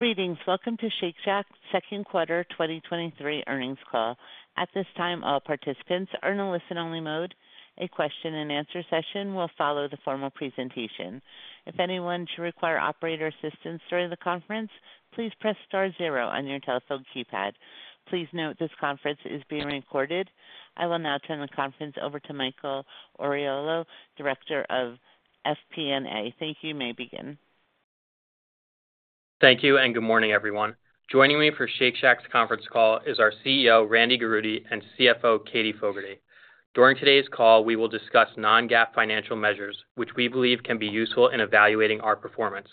Greetings, welcome to Shake Shack Second Quarter 2023 earnings call. At this time, all participants are in a listen-only mode. A question and answer session will follow the formal presentation. If anyone should require operator assistance during the conference, please press star zero on your telephone keypad. Please note this conference is being recorded. I will now turn the conference over to Michael Aurelio, Director of FP&A. Thank you. You may begin. Thank you, and good morning, everyone. Joining me for Shake Shack's conference call is our CEO, Randy Garutti, and CFO, Katie Fogerty. During today's call, we will discuss non-GAAP financial measures, which we believe can be useful in evaluating our performance.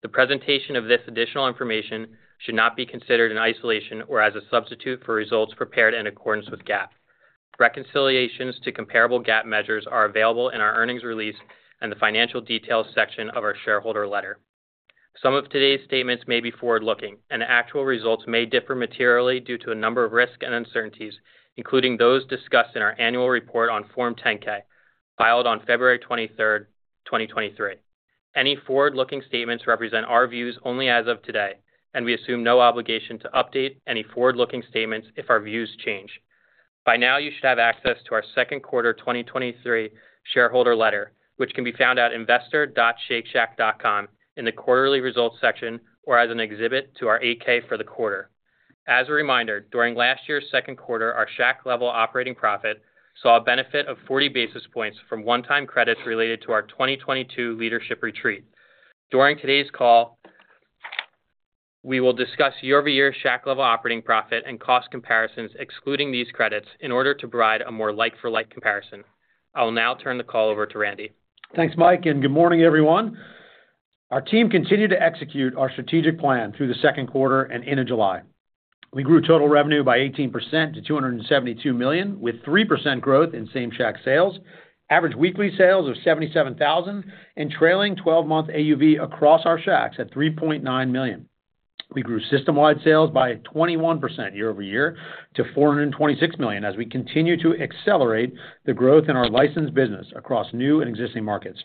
The presentation of this additional information should not be considered in isolation or as a substitute for results prepared in accordance with GAAP. Reconciliations to comparable GAAP measures are available in our earnings release and the financial details section of our shareholder letter. Some of today's statements may be forward-looking, and actual results may differ materially due to a number of risks and uncertainties, including those discussed in our Annual Report on Form 10-K, filed on February 23, 2023. Any forward-looking statements represent our views only as of today, and we assume no obligation to update any forward-looking statements if our views change. By now, you should have access to our second quarter 2023 shareholder letter, which can be found at investor.shakeshack.com in the Quarterly Results section, or as an exhibit to our 8-K for the quarter. As a reminder, during last year's second quarter, our Shack level operating profit saw a benefit of 40 basis points from one-time credits related to our 2022 leadership retreat. During today's call, we will discuss year-over-year Shack level operating profit and cost comparisons, excluding these credits, in order to provide a more like-for-like comparison. I will now turn the call over to Randy. Thanks, Mike. Good morning, everyone. Our team continued to execute our strategic plan through the second quarter and into July. We grew total revenue by 18% to $272 million, with 3% growth in same Shack sales, average weekly sales of $77,000 and trailing twelve-month AUV across our Shacks at $3.9 million. We grew system-wide sales by 21% year-over-year to $426 million as we continue to accelerate the growth in our licensed business across new and existing markets.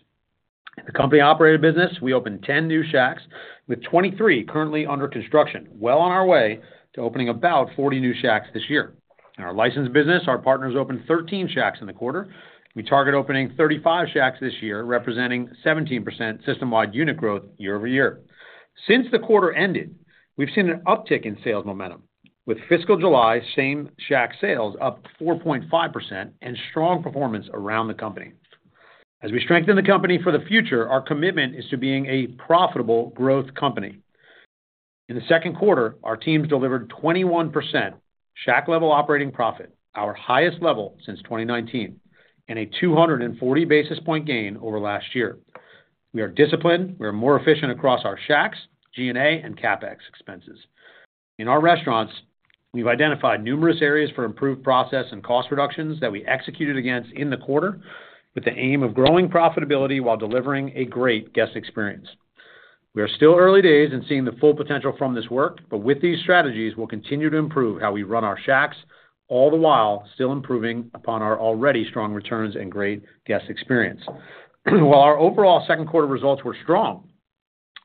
The company-operated business, we opened 10 new Shacks, with 23 currently under construction, well on our way to opening about 40 new Shacks this year. In our licensed business, our partners opened 13 Shacks in the quarter. We target opening 35 Shacks this year, representing 17% system-wide unit growth year-over-year. Since the quarter ended, we've seen an uptick in sales momentum, with fiscal July same Shack sales up 4.5% and strong performance around the company. We strengthen the company for the future, our commitment is to being a profitable growth company. In the second quarter, our teams delivered 21% Shack level operating profit, our highest level since 2019, and a 240 basis point gain over last year. We are disciplined, we are more efficient across our Shacks, G&A and CapEx expenses. In our restaurants, we've identified numerous areas for improved process and cost reductions that we executed against in the quarter, with the aim of growing profitability while delivering a great guest experience. We are still early days in seeing the full potential from this work, but with these strategies, we'll continue to improve how we run our Shacks, all the while still improving upon our already strong returns and great guest experience. While our overall second quarter results were strong,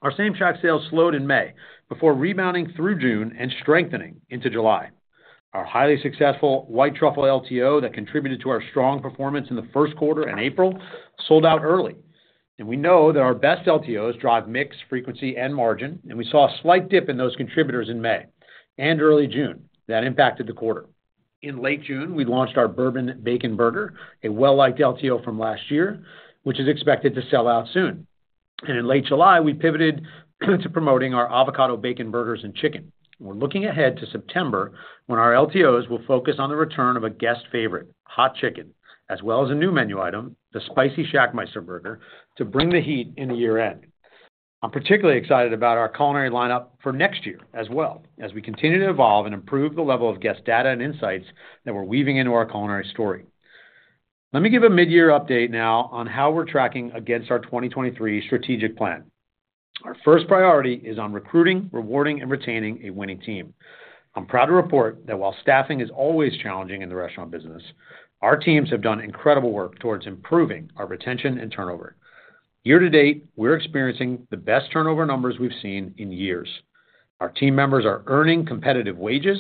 our same Shack sales slowed in May before rebounding through June and strengthening into July. Our highly successful white truffle LTO that contributed to our strong performance in the first quarter and April sold out early. We know that our best LTOs drive mix, frequency, and margin, and we saw a slight dip in those contributors in May and early June. That impacted the quarter. In late June, we launched our bourbon bacon burger, a well-liked LTO from last year, which is expected to sell out soon. In late July, we pivoted to promoting our avocado bacon burgers and chicken. We're looking ahead to September, when our LTOs will focus on the return of a guest favorite, hot chicken, as well as a new menu item, the Spicy ShackMeister burger, to bring the heat into year-end. I'm particularly excited about our culinary lineup for next year as well, as we continue to evolve and improve the level of guest data and insights that we're weaving into our culinary story. Let me give a midyear update now on how we're tracking against our 2023 strategic plan. Our first priority is on recruiting, rewarding, and retaining a winning team. I'm proud to report that while staffing is always challenging in the restaurant business, our teams have done incredible work towards improving our retention and turnover. Year to date, we're experiencing the best turnover numbers we've seen in years. Our team members are earning competitive wages,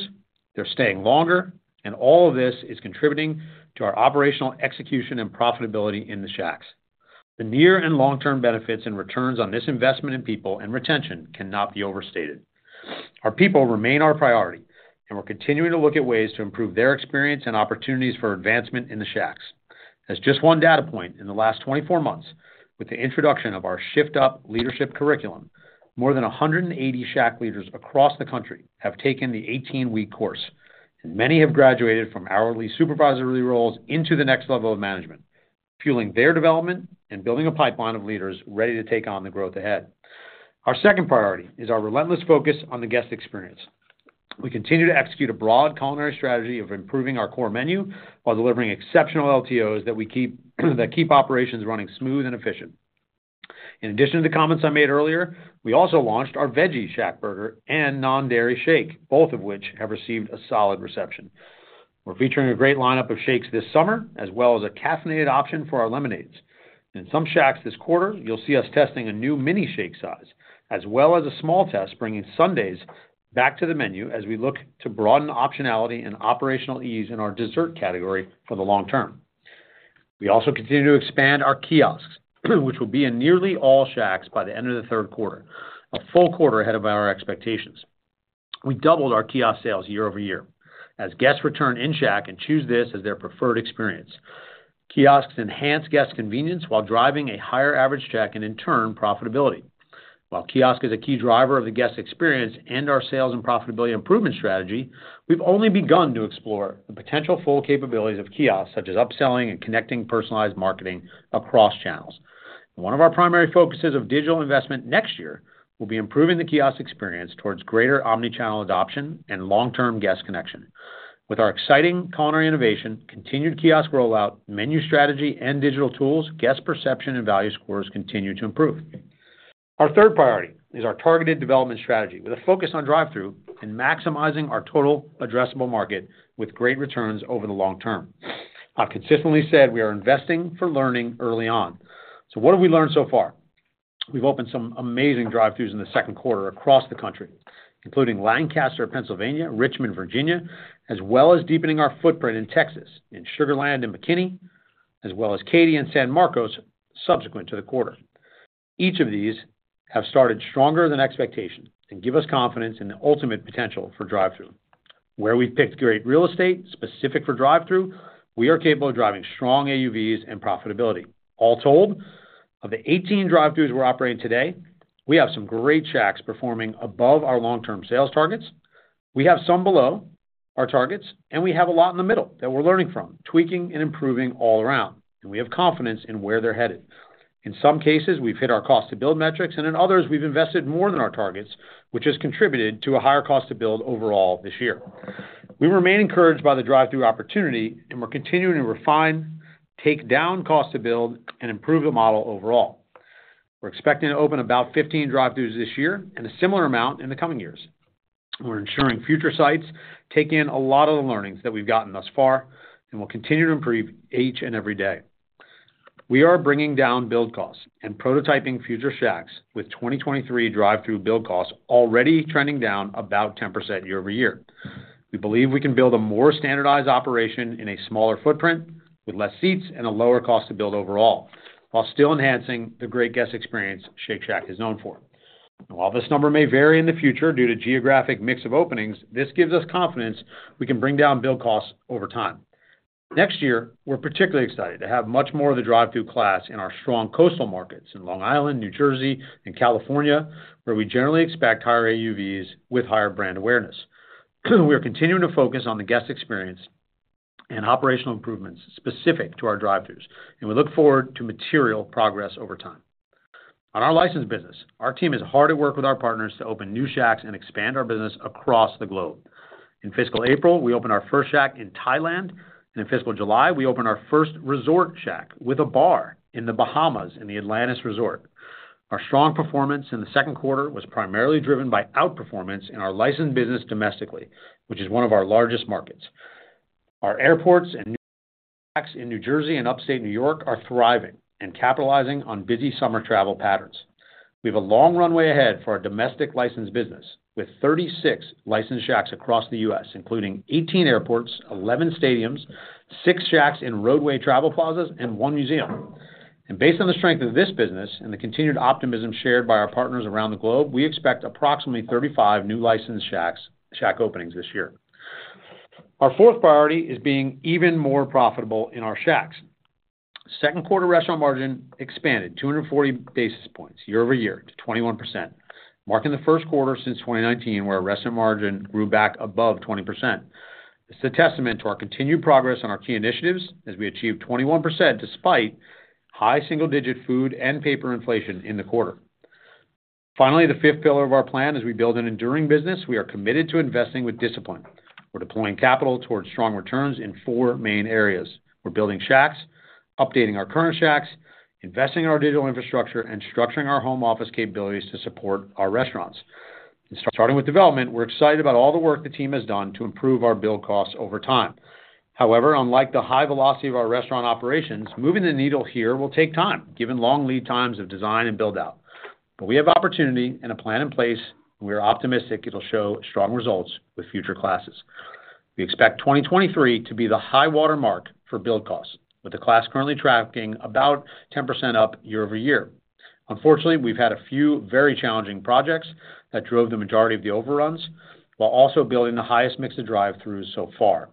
they're staying longer, and all of this is contributing to our operational execution and profitability in the Shacks. The near and long-term benefits and returns on this investment in people and retention cannot be overstated. Our people remain our priority, and we're continuing to look at ways to improve their experience and opportunities for advancement in the Shacks. As just one data point, in the last 24 months, with the introduction of our Shift Up leadership curriculum, more than 180 Shack leaders across the country have taken the 18-week course, and many have graduated from hourly supervisory roles into the next level of management, fueling their development and building a pipeline of leaders ready to take on the growth ahead. Our second priority is our relentless focus on the guest experience. We continue to execute a broad culinary strategy of improving our core menu while delivering exceptional LTOs that keep operations running smooth and efficient. In addition to the comments I made earlier, we also launched our veggie ShackBurger and non-dairy shake, both of which have received a solid reception. We're featuring a great lineup of shakes this summer, as well as a caffeinated option for our lemonades. In some Shacks this quarter, you'll see us testing a new mini shake size, as well as a small test, bringing sundaes back to the menu as we look to broaden optionality and operational ease in our dessert category for the long term. We also continue to expand our kiosks, which will be in nearly all Shacks by the end of the third quarter, a full quarter ahead of our expectations. We doubled our kiosk sales year-over-year, as guests return in Shack and choose this as their preferred experience. Kiosks enhance guest convenience while driving a higher average check and in turn, profitability. While kiosk is a key driver of the guest experience and our sales and profitability improvement strategy, we've only begun to explore the potential full capabilities of kiosks, such as upselling and connecting personalized marketing across channels. One of our primary focuses of digital investment next year, will be improving the kiosk experience towards greater omni-channel adoption and long-term guest connection. With our exciting culinary innovation, continued kiosk rollout, menu strategy, and digital tools, guest perception and value scores continue to improve. Our third priority is our targeted development strategy, with a focus on drive-thru and maximizing our total addressable market with great returns over the long term. I've consistently said we are investing for learning early on. What have we learned so far? We've opened some amazing drive-thrus in the second quarter across the country, including Lancaster, Pennsylvania, Richmond, Virginia, as well as deepening our footprint in Texas, in Sugar Land and McKinney, as well as Katy and San Marcos, subsequent to the quarter. Each of these have started stronger than expectations and give us confidence in the ultimate potential for drive-thru. Where we've picked great real estate, specific for drive-thru, we are capable of driving strong AUVs and profitability. All told, of the 18 drive-thrus we're operating today, we have some great Shacks performing above our long-term sales targets. We have some below our targets, and we have a lot in the middle that we're learning from, tweaking and improving all around, and we have confidence in where they're headed. In some cases, we've hit our cost to build metrics, and in others, we've invested more than our targets, which has contributed to a higher cost to build overall this year. We remain encouraged by the drive-thru opportunity, and we're continuing to refine, take down cost to build and improve the model overall. We're expecting to open about 15 drive-thrus this year and a similar amount in the coming years. We're ensuring future sites take in a lot of the learnings that we've gotten thus far, and we'll continue to improve each and every day. We are bringing down build costs and prototyping future Shacks with 2023 drive-thru build costs already trending down about 10% year-over-year. We believe we can build a more standardized operation in a smaller footprint, with less seats and a lower cost to build overall, while still enhancing the great guest experience Shake Shack is known for. While this number may vary in the future due to geographic mix of openings, this gives us confidence we can bring down build costs over time. Next year, we're particularly excited to have much more of the drive-thru class in our strong coastal markets in Long Island, New Jersey, and California, where we generally expect higher AUVs with higher brand awareness. We are continuing to focus on the guest experience and operational improvements specific to our drive-thrus, and we look forward to material progress over time. On our licensed business, our team is hard at work with our partners to open new Shacks and expand our business across the globe. In fiscal April, we opened our first Shack in Thailand, and in fiscal July, we opened our first Resort Shack with a bar in the Bahamas, in the Atlantis Resort. Our strong performance in the second quarter was primarily driven by outperformance in our licensed business domestically, which is one of our largest markets. Our airports and Shacks in New Jersey and Upstate New York are thriving and capitalizing on busy summer travel patterns. We have a long runway ahead for our domestic licensed business, with 36 licensed Shacks across the U.S., including 18 airports, 11 stadiums, 6 Shacks in roadway travel plazas, and 1 museum. Based on the strength of this business and the continued optimism shared by our partners around the globe, we expect approximately 35 new licensed Shack openings this year. Our fourth priority is being even more profitable in our Shacks. Second quarter restaurant margin expanded 240 basis points year over year to 21%, marking the first quarter since 2019, where our restaurant margin grew back above 20%. It's a testament to our continued progress on our key initiatives as we achieved 21%, despite high single-digit food and paper inflation in the quarter. Finally, the fifth pillar of our plan as we build an enduring business, we are committed to investing with discipline. We're deploying capital towards strong returns in four main areas: We're building Shacks, updating our current Shacks, investing in our digital infrastructure, and structuring our home office capabilities to support our restaurants. Starting with development, we're excited about all the work the team has done to improve our build costs over time. Unlike the high velocity of our restaurant operations, moving the needle here will take time, given long lead times of design and build-out. We have opportunity and a plan in place, we are optimistic it'll show strong results with future classes. We expect 2023 to be the high water mark for build costs, with the class currently tracking about 10% up year-over-year. Unfortunately, we've had a few very challenging projects that drove the majority of the overruns, while also building the highest mix of drive-thrus so far,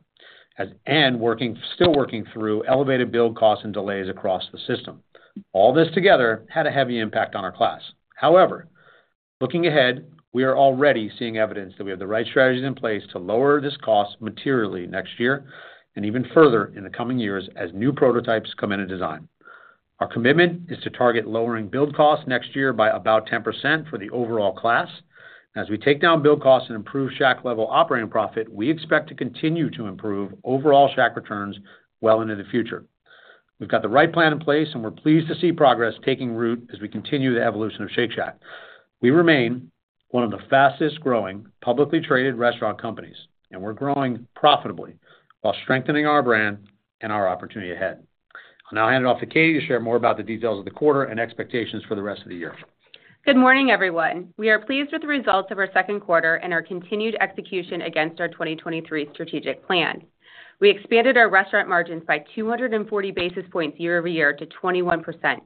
still working through elevated build costs and delays across the system. All this together had a heavy impact on our class. However, looking ahead, we are already seeing evidence that we have the right strategies in place to lower this cost materially next year and even further in the coming years as new prototypes come into design. Our commitment is to target lowering build costs next year by about 10% for the overall class. As we take down build costs and improve Shack level operating profit, we expect to continue to improve overall Shack returns well into the future. We've got the right plan in place, and we're pleased to see progress taking root as we continue the evolution of Shake Shack. We remain one of the fastest-growing, publicly traded restaurant companies, and we're growing profitably while strengthening our brand and our opportunity ahead. I'll now hand it off to Katie to share more about the details of the quarter and expectations for the rest of the year. Good morning, everyone. We are pleased with the results of our second quarter and our continued execution against our 2023 strategic plan. We expanded our restaurant margins by 240 basis points year-over-year to 21%,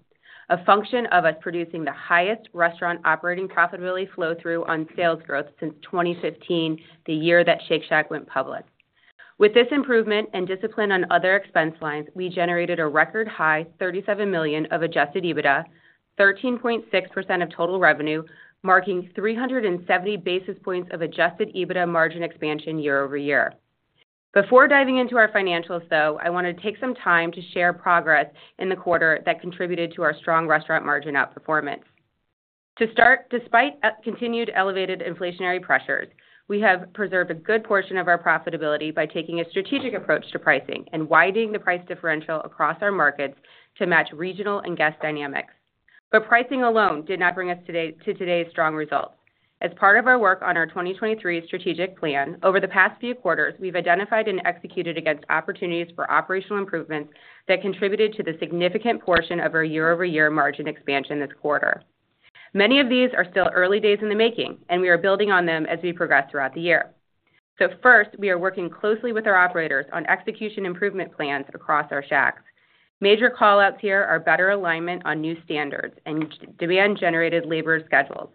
a function of us producing the highest restaurant operating profitability flow-through on sales growth since 2015, the year that Shake Shack went public. With this improvement and discipline on other expense lines, we generated a record high $37 million of adjusted EBITDA, 13.6% of total revenue, marking 370 basis points of adjusted EBITDA margin expansion year-over-year. Before diving into our financials, though, I want to take some time to share progress in the quarter that contributed to our strong restaurant margin outperformance. To start, despite continued elevated inflationary pressures, we have preserved a good portion of our profitability by taking a strategic approach to pricing and widening the price differential across our markets to match regional and guest dynamics. Pricing alone did not bring us to today's strong results. As part of our work on our 2023 strategic plan, over the past few quarters, we've identified and executed against opportunities for operational improvements that contributed to the significant portion of our year-over-year margin expansion this quarter. Many of these are still early days in the making, and we are building on them as we progress throughout the year. First, we are working closely with our operators on execution improvement plans across our Shacks. Major call-outs here are better alignment on new standards and demand-generated labor schedules,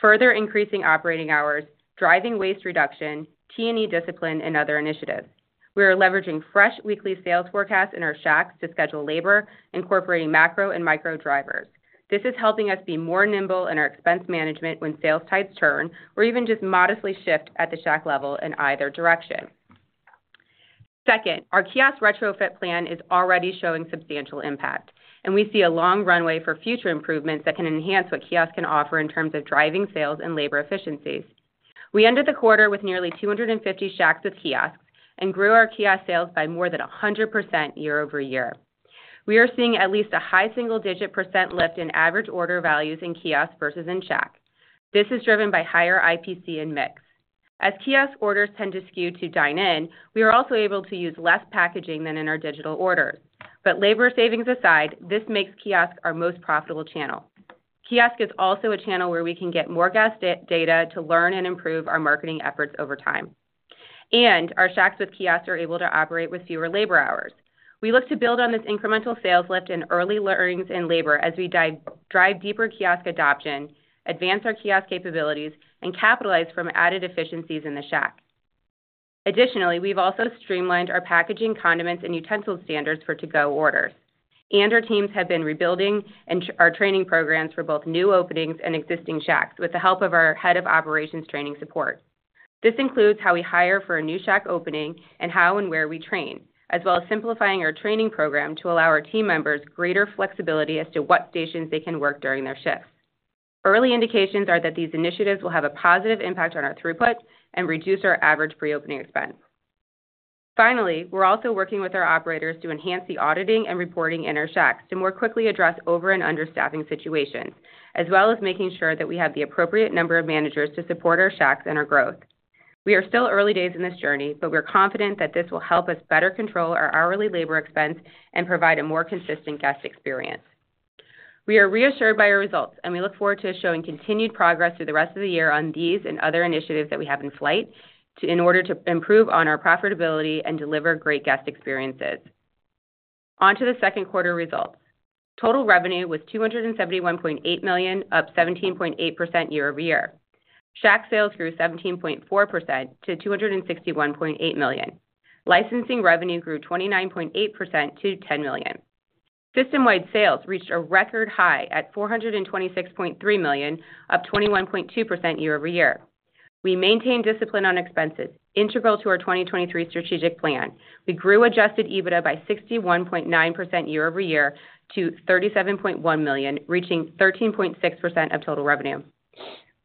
further increasing operating hours, driving waste reduction, T&E discipline, and other initiatives. We are leveraging fresh weekly sales forecasts in our Shacks to schedule labor, incorporating macro and micro drivers. This is helping us be more nimble in our expense management when sales tides turn or even just modestly shift at the Shack level in either direction. Second, our kiosk retrofit plan is already showing substantial impact, and we see a long runway for future improvements that can enhance what kiosk can offer in terms of driving sales and labor efficiencies. We ended the quarter with nearly 250 Shacks with kiosks and grew our kiosk sales by more than 100% year-over-year. We are seeing at least a high single-digit % lift in average order values in kiosk versus in Shack. This is driven by higher IPC and mix. As kiosk orders tend to skew to dine-in, we are also able to use less packaging than in our digital orders. Labor savings aside, this makes kiosk our most profitable channel. Kiosk is also a channel where we can get more guest data to learn and improve our marketing efforts over time. Our Shacks with kiosks are able to operate with fewer labor hours. We look to build on this incremental sales lift and early learnings in labor as we drive deeper kiosk adoption, advance our kiosk capabilities, and capitalize from added efficiencies in the Shack. Additionally, we've also streamlined our packaging, condiments, and utensils standards for to-go orders, and our teams have been rebuilding and our training programs for both new openings and existing Shacks with the help of our head of operations training support. This includes how we hire for a new Shack opening and how and where we train, as well as simplifying our training program to allow our team members greater flexibility as to what stations they can work during their shifts. Early indications are that these initiatives will have a positive impact on our throughput and reduce our average pre-opening expense. We're also working with our operators to enhance the auditing and reporting in our Shacks to more quickly address over- and understaffing situations, as well as making sure that we have the appropriate number of managers to support our Shacks and our growth. We are still early days in this journey, but we're confident that this will help us better control our hourly labor expense and provide a more consistent guest experience. We are reassured by our results, we look forward to showing continued progress through the rest of the year on these and other initiatives that we have in flight in order to improve on our profitability and deliver great guest experiences. On to the second quarter results. Total revenue was $271.8 million, up 17.8% year-over-year. Shack sales grew 17.4% to $261.8 million. Licensing revenue grew 29.8% to $10 million. System-wide sales reached a record high at $426.3 million, up 21.2% year-over-year. We maintained discipline on expenses, integral to our 2023 strategic plan. We grew adjusted EBITDA by 61.9% year-over-year to $37.1 million, reaching 13.6% of total revenue.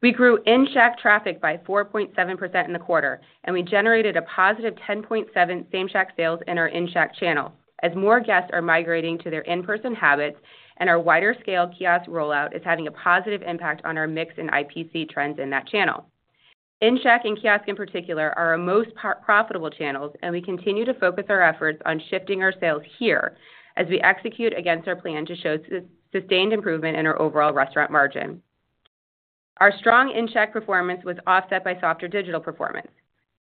We grew in-Shack traffic by 4.7% in the quarter. We generated a positive 10.7% same Shack sales in our in-Shack channel, as more guests are migrating to their in-person habits and our wider-scale kiosk rollout is having a positive impact on our mix in IPC trends in that channel. In-Shack and kiosk in particular, are our most profitable channels. We continue to focus our efforts on shifting our sales here as we execute against our plan to show sustained improvement in our overall restaurant margin. Our strong in-Shack performance was offset by softer digital performance.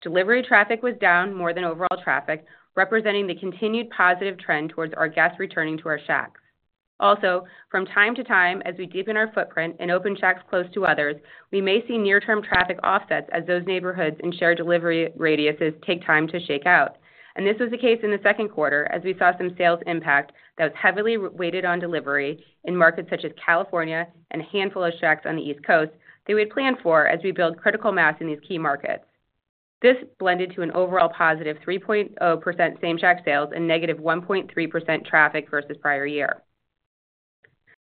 Delivery traffic was down more than overall traffic, representing the continued positive trend towards our guests returning to our Shacks. From time to time, as we deepen our footprint and open Shacks close to others, we may see near-term traffic offsets as those neighborhoods and shared delivery radiuses take time to shake out. This was the case in the second quarter as we saw some sales impact that was heavily weighted on delivery in markets such as California and a handful of Shacks on the East Coast that we had planned for as we build critical mass in these key markets. This blended to an overall positive 3.0% same Shack sales and negative 1.3% traffic versus prior year.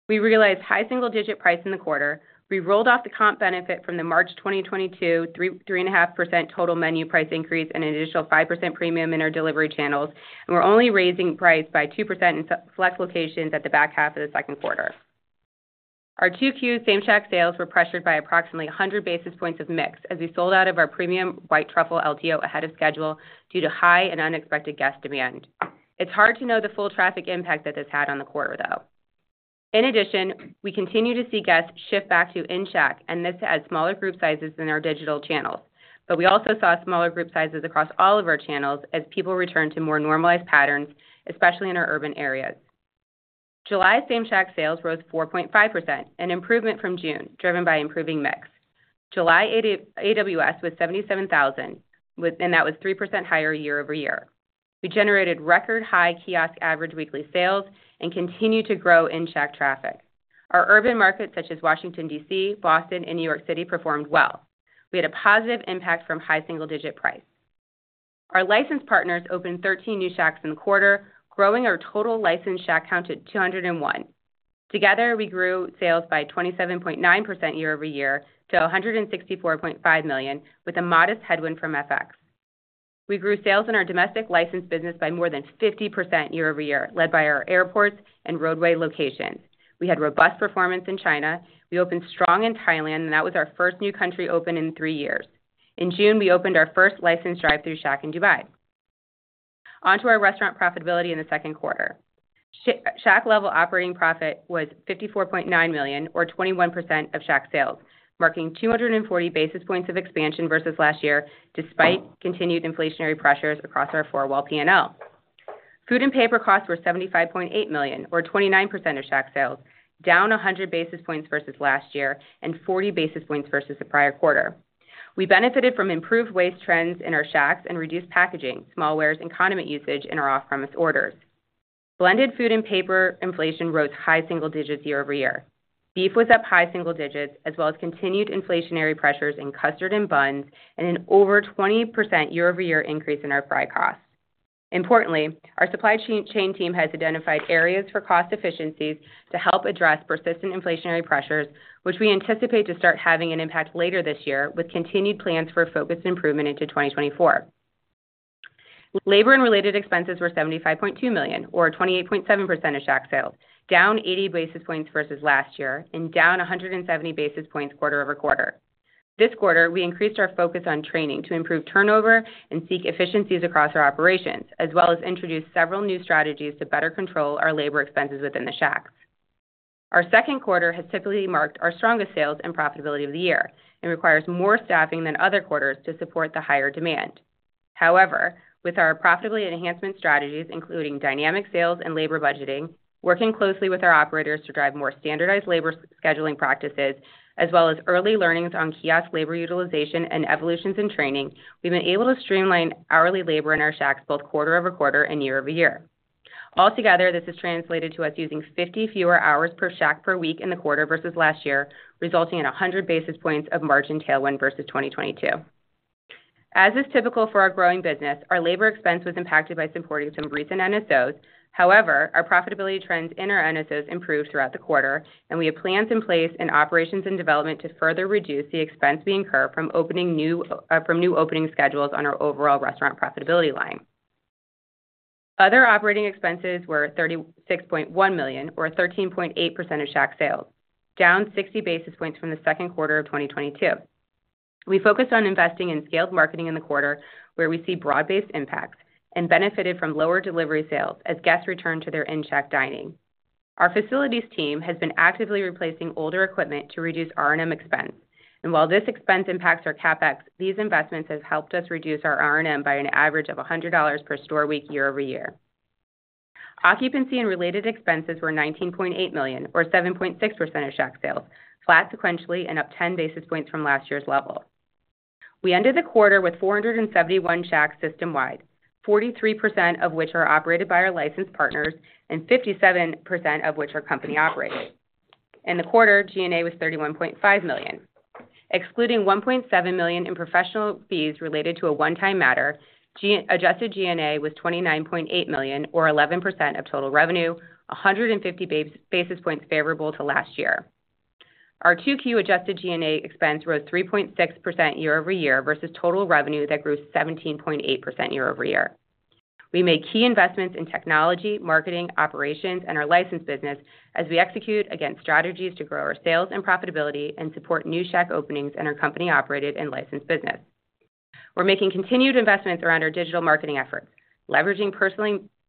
We realized high single-digit price in the quarter. We rolled off the comp benefit from the March 2022, 3.5% total menu price increase and an additional 5% premium in our delivery channels. We're only raising price by 2% in select locations at the back half of the second quarter. Our 2Q same Shack sales were pressured by approximately 100 basis points of mix as we sold out of our premium white truffle LTO ahead of schedule due to high and unexpected guest demand. It's hard to know the full traffic impact that this had on the quarter, though. In addition, we continue to see guests shift back to in-Shack. This has smaller group sizes than our digital channels. We also saw smaller group sizes across all of our channels as people return to more normalized patterns, especially in our urban areas. July same Shack sales rose 4.5%, an improvement from June, driven by improving mix. July AWS was $77,000, and that was 3% higher year-over-year. We generated record-high kiosk average weekly sales and continued to grow in-Shack traffic. Our urban markets, such as Washington, D.C., Boston, and New York City, performed well. We had a positive impact from high single-digit price. Our licensed partners opened 13 new Shacks in the quarter, growing our total licensed Shack count to 201. Together, we grew sales by 27.9% year-over-year to $164.5 million, with a modest headwind from FX. We grew sales in our domestic licensed business by more than 50% year-over-year, led by our airports and roadway locations. We had robust performance in China. We opened strong in Thailand, and that was our first new country open in 3 years. In June, we opened our first licensed drive-thru Shack in Dubai. On to our restaurant profitability in the second quarter. Shack level operating profit was $54.9 million, or 21% of Shack sales, marking 240 basis points of expansion versus last year, despite continued inflationary pressures across our four-wall P&L. Food and paper costs were $75.8 million, or 29% of Shack sales, down 100 basis points versus last year and 40 basis points versus the prior quarter. We benefited from improved waste trends in our Shacks and reduced packaging, small wares and condiment usage in our off-premise orders. Blended food and paper inflation rose high single digits year-over-year. Beef was up high single digits, as well as continued inflationary pressures in custard and buns and an over 20% year-over-year increase in our fry costs. Importantly, our supply chain, chain team has identified areas for cost efficiencies to help address persistent inflationary pressures, which we anticipate to start having an impact later this year, with continued plans for a focused improvement into 2024. Labor and related expenses were $75.2 million, or 28.7% of Shack sales, down 80 basis points versus last year and down 170 basis points quarter-over-quarter. This quarter, we increased our focus on training to improve turnover and seek efficiencies across our operations, as well as introduce several new strategies to better control our labor expenses within the Shack. Our second quarter has typically marked our strongest sales and profitability of the year and requires more staffing than other quarters to support the higher demand. However, with our profitability enhancement strategies, including dynamic sales and labor budgeting, working closely with our operators to drive more standardized labor scheduling practices, as well as early learnings on kiosk labor utilization and evolutions in training, we've been able to streamline hourly labor in our Shacks both quarter over quarter and year over year. Altogether, this has translated to us using 50 fewer hours per Shack per week in the quarter versus last year, resulting in 100 basis points of margin tailwind versus 2022. As is typical for our growing business, our labor expense was impacted by supporting some recent NSOs. However, our profitability trends in our NSOs improved throughout the quarter, and we have plans in place in operations and development to further reduce the expense we incur from new opening schedules on our overall restaurant profitability line. Other operating expenses were $36.1 million, or 13.8% of Shack sales, down 60 basis points from the second quarter 2022. We focused on investing in scaled marketing in the quarter, where we see broad-based impacts and benefited from lower delivery sales as guests return to their in-Shack dining. Our facilities team has been actively replacing older equipment to reduce RNM expense, and while this expense impacts our CapEx, these investments have helped us reduce our RNM by an average of $100 per store week year-over-year. Occupancy and related expenses were $19.8 million, or 7.6% of Shack sales, flat sequentially and up 10 basis points from last year's level. We ended the quarter with 471 Shacks system-wide, 43% of which are operated by our licensed partners and 57% of which are company-operated. In the quarter, G&A was $31.5 million. Excluding $1.7 million in professional fees related to a one-time matter, adjusted G&A was $29.8 million, or 11% of total revenue, 150 basis points favorable to last year. Our 2Q adjusted G&A expense rose 3.6% year-over-year versus total revenue that grew 17.8% year-over-year. We made key investments in technology, marketing, operations, and our licensed business as we execute against strategies to grow our sales and profitability and support new Shack openings in our company-operated and licensed business. We're making continued investments around our digital marketing efforts, leveraging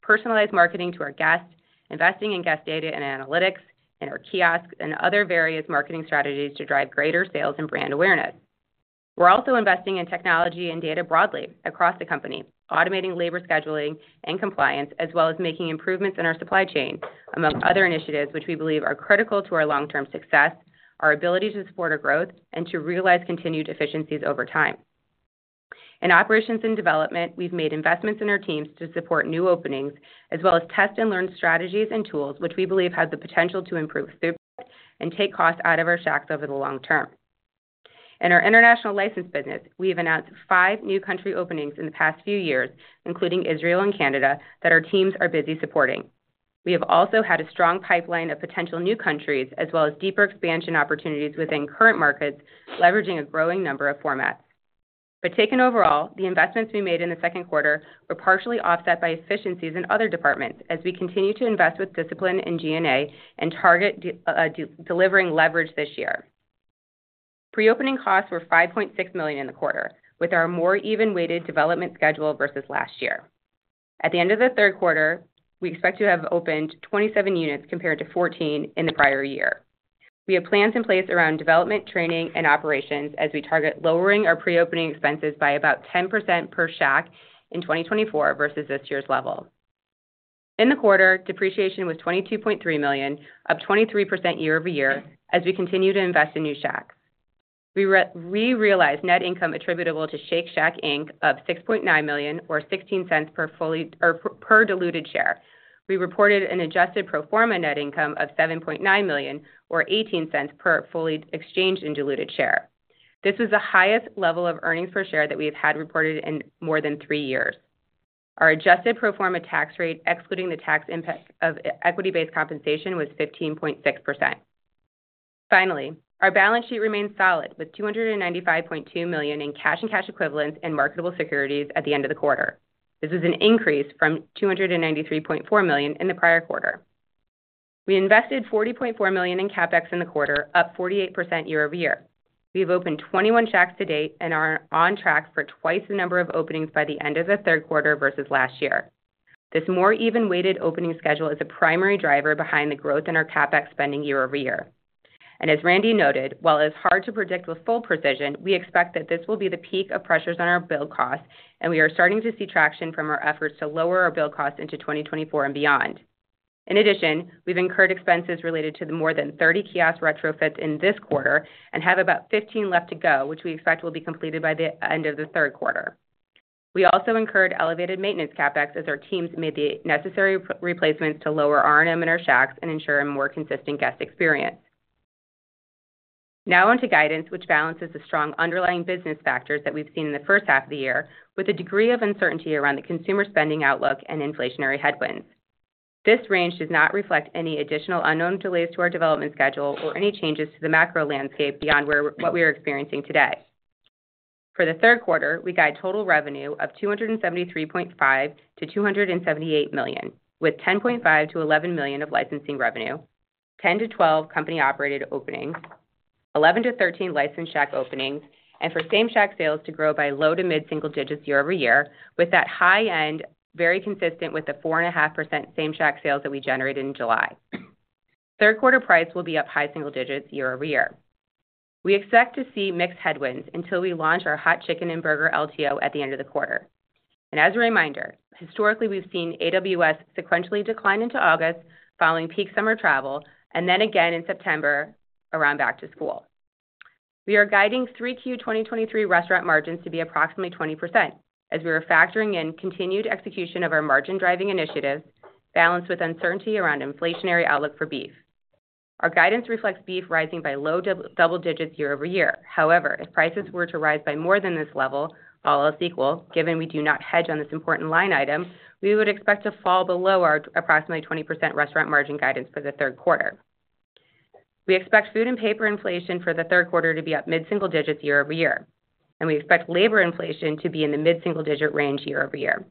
personalized marketing to our guests, investing in guest data and analytics, in our kiosks, and other various marketing strategies to drive greater sales and brand awareness. We're also investing in technology and data broadly across the company, automating labor scheduling and compliance, as well as making improvements in our supply chain, among other initiatives which we believe are critical to our long-term success, our ability to support our growth, and to realize continued efficiencies over time. In operations and development, we've made investments in our teams to support new openings, as well as test and learn strategies and tools which we believe has the potential to improve throughput and take costs out of our Shacks over the long term. In our international license business, we have announced 5 new country openings in the past few years, including Israel and Canada, that our teams are busy supporting. We have also had a strong pipeline of potential new countries, as well as deeper expansion opportunities within current markets, leveraging a growing number of formats. Taken overall, the investments we made in the second quarter were partially offset by efficiencies in other departments as we continue to invest with discipline in G&A and target delivering leverage this year. Pre-opening costs were $5.6 million in the quarter, with our more even weighted development schedule versus last year. At the end of the third quarter, we expect to have opened 27 units compared to 14 in the prior year. We have plans in place around development, training, and operations as we target lowering our pre-opening expenses by about 10% per Shack in 2024 versus this year's level. In the quarter, depreciation was $22.3 million, up 23% year-over-year, as we continue to invest in new Shacks. We realized net income attributable to Shake Shack Inc. of $6.9 million, or $0.16 per fully diluted share. We reported an adjusted pro forma net income of $7.9 million, or $0.18 per fully exchanged and diluted share. This is the highest level of earnings per share that we have had reported in more than 3 years. Our adjusted pro forma tax rate, excluding the tax impact of equity-based compensation, was 15.6%. Finally, our balance sheet remains solid, with $295.2 million in cash and cash equivalents and marketable securities at the end of the quarter. This is an increase from $293.4 million in the prior quarter. We invested $40.4 million in CapEx in the quarter, up 48% year-over-year. We have opened 21 Shacks to date and are on track for twice the number of openings by the end of the third quarter versus last year. This more even-weighted opening schedule is a primary driver behind the growth in our CapEx spending year-over-year. As Randy noted, while it's hard to predict with full precision, we expect that this will be the peak of pressures on our build costs, and we are starting to see traction from our efforts to lower our build costs into 2024 and beyond. In addition, we've incurred expenses related to the more than 30 kiosk retrofits in this quarter and have about 15 left to go, which we expect will be completed by the end of the third quarter. We also incurred elevated maintenance CapEx as our teams made the necessary re- replacements to lower RNM in our Shacks and ensure a more consistent guest experience. Now on to guidance, which balances the strong underlying business factors that we've seen in the first half of the year, with a degree of uncertainty around the consumer spending outlook and inflationary headwinds. This range does not reflect any additional unknown delays to our development schedule or any changes to the macro landscape beyond what we are experiencing today. For the third quarter, we guide total revenue of $273.5 million-$278 million, with $10.5 million-$11 million of licensing revenue, 10-12 company-operated openings, 11-13 licensed Shack openings, and for same Shack sales to grow by low to mid-single digits year-over-year, with that high end very consistent with the 4.5% same Shack sales that we generated in July. Third quarter price will be up high single digits year-over-year. We expect to see mixed headwinds until we launch our hot chicken and burger LTO at the end of the quarter. As a reminder, historically, we've seen AWS sequentially decline into August following peak summer travel, and then again in September around back to school. We are guiding 3Q 2023 restaurant margins to be approximately 20%, as we are factoring in continued execution of our margin-driving initiatives, balanced with uncertainty around inflationary outlook for beef. Our guidance reflects beef rising by low double digits year-over-year. However, if prices were to rise by more than this level, all else equal, given we do not hedge on this important line item, we would expect to fall below our approximately 20% restaurant margin guidance for the third quarter. We expect food and paper inflation for the third quarter to be up mid-single digits year-over-year, and we expect labor inflation to be in the mid-single-digit range year-over-year.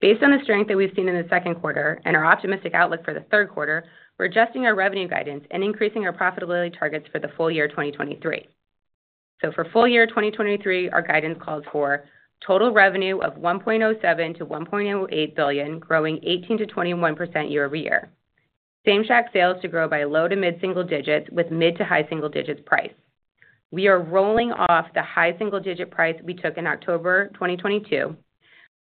Based on the strength that we've seen in the second quarter and our optimistic outlook for the third quarter, we're adjusting our revenue guidance and increasing our profitability targets for the full year 2023. For full year 2023, our guidance calls for total revenue of $1.07 billion-$1.08 billion, growing 18%-21% year-over-year. Same Shack sales to grow by low to mid-single digits with mid to high single digits price. We are rolling off the high single-digit price we took in October 2022.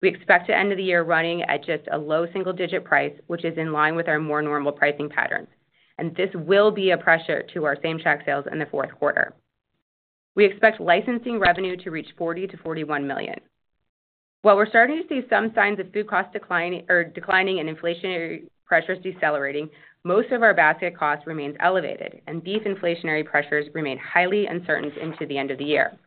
We expect to end the year running at just a low single-digit price, which is in line with our more normal pricing patterns, and this will be a pressure to our same Shack sales in the fourth quarter. We expect licensing revenue to reach $40 million-$41 million. While we're starting to see some signs of food cost declining, or declining and inflationary pressures decelerating, most of our basket costs remains elevated and beef inflationary pressures remain highly uncertain into the end of the year.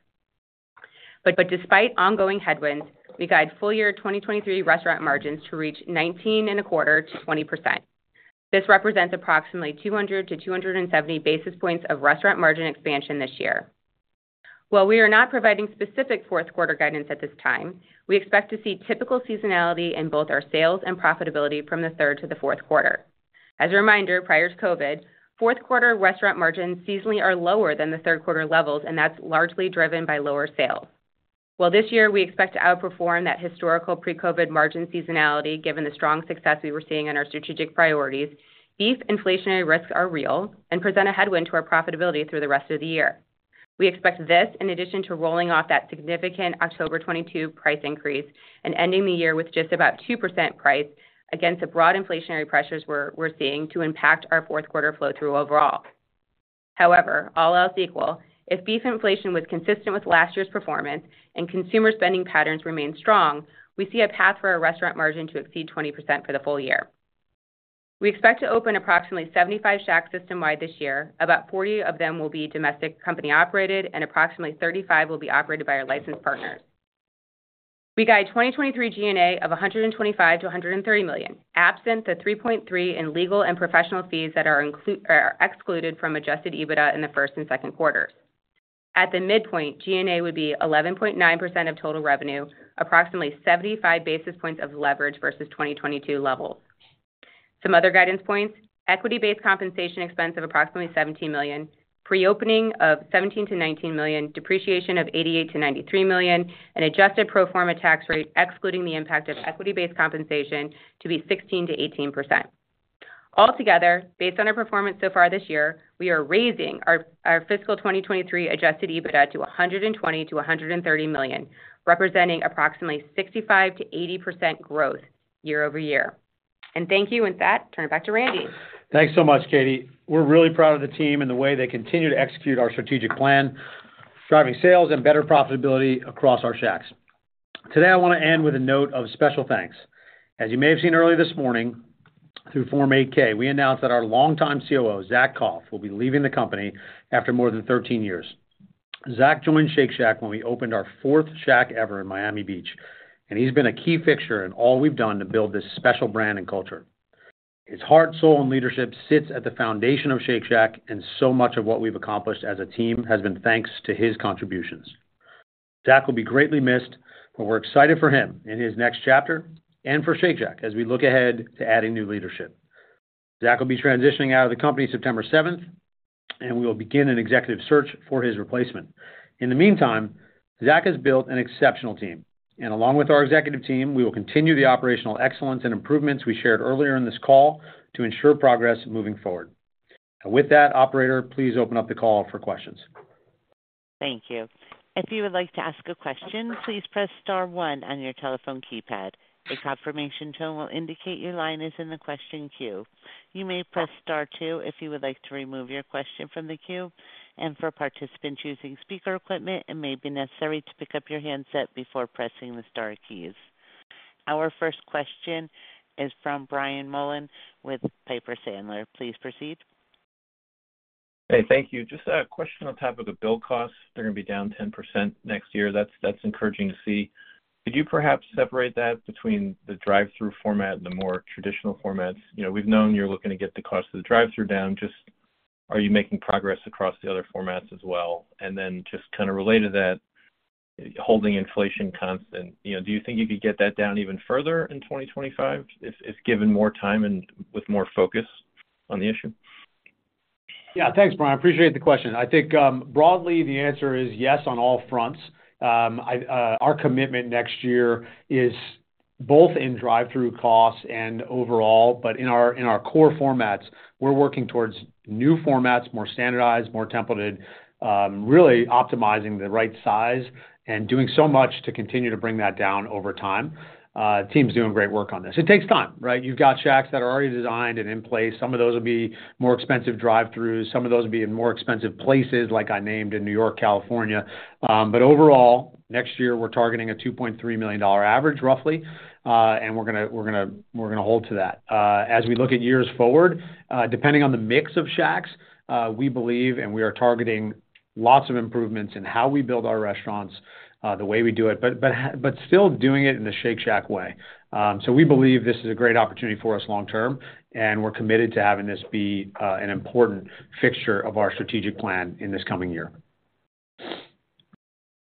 Despite ongoing headwinds, we guide full year 2023 restaurant margins to reach 19.25%-20%. This represents approximately 200-270 basis points of restaurant margin expansion this year. While we are not providing specific fourth quarter guidance at this time, we expect to see typical seasonality in both our sales and profitability from the third to the fourth quarter. As a reminder, prior to COVID, fourth quarter restaurant margins seasonally are lower than the third quarter levels, and that's largely driven by lower sales. While this year we expect to outperform that historical pre-COVID margin seasonality given the strong success we were seeing in our strategic priorities, beef inflationary risks are real and present a headwind to our profitability through the rest of the year. We expect this in addition to rolling off that significant October 2022 price increase and ending the year with just about 2% price against the broad inflationary pressures we're seeing to impact our fourth quarter flow through overall. However, all else equal, if beef inflation was consistent with last year's performance and consumer spending patterns remain strong, we see a path for our restaurant margin to exceed 20% for the full year. We expect to open approximately 75 Shacks system-wide this year. About 40 of them will be domestic company-operated, and approximately 35 will be operated by our licensed partners. We guide 2023 GNA of $125 million-$130 million, absent the $3.3 million in legal and professional fees that are excluded from adjusted EBITDA in the first and second quarter. At the midpoint, GNA would be 11.9% of total revenue, approximately 75 basis points of leverage versus 2022 levels. Some other guidance points: equity-based compensation expense of approximately $17 million, pre-opening of $17 million-$19 million, depreciation of $88 million-$93 million, an adjusted pro forma tax rate, excluding the impact of equity-based compensation, to be 16%-18%. Altogether, based on our performance so far this year, we are raising our fiscal 2023 adjusted EBITDA to $120 million-$130 million, representing approximately 65%-80% growth year-over-year. Thank you. With that, turn it back to Randy. Thanks so much, Katie. We're really proud of the team and the way they continue to execute our strategic plan, driving sales and better profitability across our Shacks. Today, I want to end with a note of special thanks. As you may have seen earlier this morning through Form 8-K, we announced that our longtime COO, Zach Koff, will be leaving the company after more than 13 years. Zach joined Shake Shack when we opened our fourth Shack ever in Miami Beach, and he's been a key fixture in all we've done to build this special brand and culture. His heart, soul, and leadership sits at the foundation of Shake Shack, and so much of what we've accomplished as a team has been thanks to his contributions. Zach will be greatly missed, but we're excited for him in his next chapter and for Shake Shack as we look ahead to adding new leadership. Zach will be transitioning out of the company September seventh. We will begin an executive search for his replacement. In the meantime, Zach has built an exceptional team, and along with our executive team, we will continue the operational excellence and improvements we shared earlier in this call to ensure progress moving forward. With that, operator, please open up the call for questions. Thank you. If you would like to ask a question, please "press star one" on your telephone keypad. A confirmation tone will indicate your line is in the question queue. You may "press star two". If you would like to remove your question from the queue, and for participants using speaker equipment, it may be necessary to pick up your handset before pressing the star keys. Our first question is from Brian Mullan with Piper Sandler. Please proceed. Hey, thank you. Just a question on top of the bill costs. They're going to be down 10% next year. That's, that's encouraging to see. Could you perhaps separate that between the drive-through format and the more traditional formats? You know, we've known you're looking to get the cost of the drive-through down. Just, are you making progress across the other formats as well? Then just kind of related to that, holding inflation constant, you know, do you think you could get that down even further in 2025 if, if given more time and with more focus on the issue? Yeah. Thanks, Brian. I appreciate the question. I think, broadly, the answer is yes on all fronts. Our commitment next year is both in drive-through costs and overall, but in our, in our core formats, we're working towards new formats, more standardized, more templated, really optimizing the right size and doing so much to continue to bring that down over time. The team's doing great work on this. It takes time, right? You've got Shacks that are already designed and in place. Some of those will be more expensive drive-throughs. Some of those will be in more expensive places, like I named in New York, California. Overall, next year, we're targeting a $2.3 million average, roughly. We're gonna, we're gonna, we're gonna hold to that. As we look at years forward, depending on the mix of Shacks, we believe, and we are targeting lots of improvements in how we build our restaurants, the way we do it, but still doing it in the Shake Shack way. We believe this is a great opportunity for us long term, and we're committed to having this be an important fixture of our strategic plan in this coming year.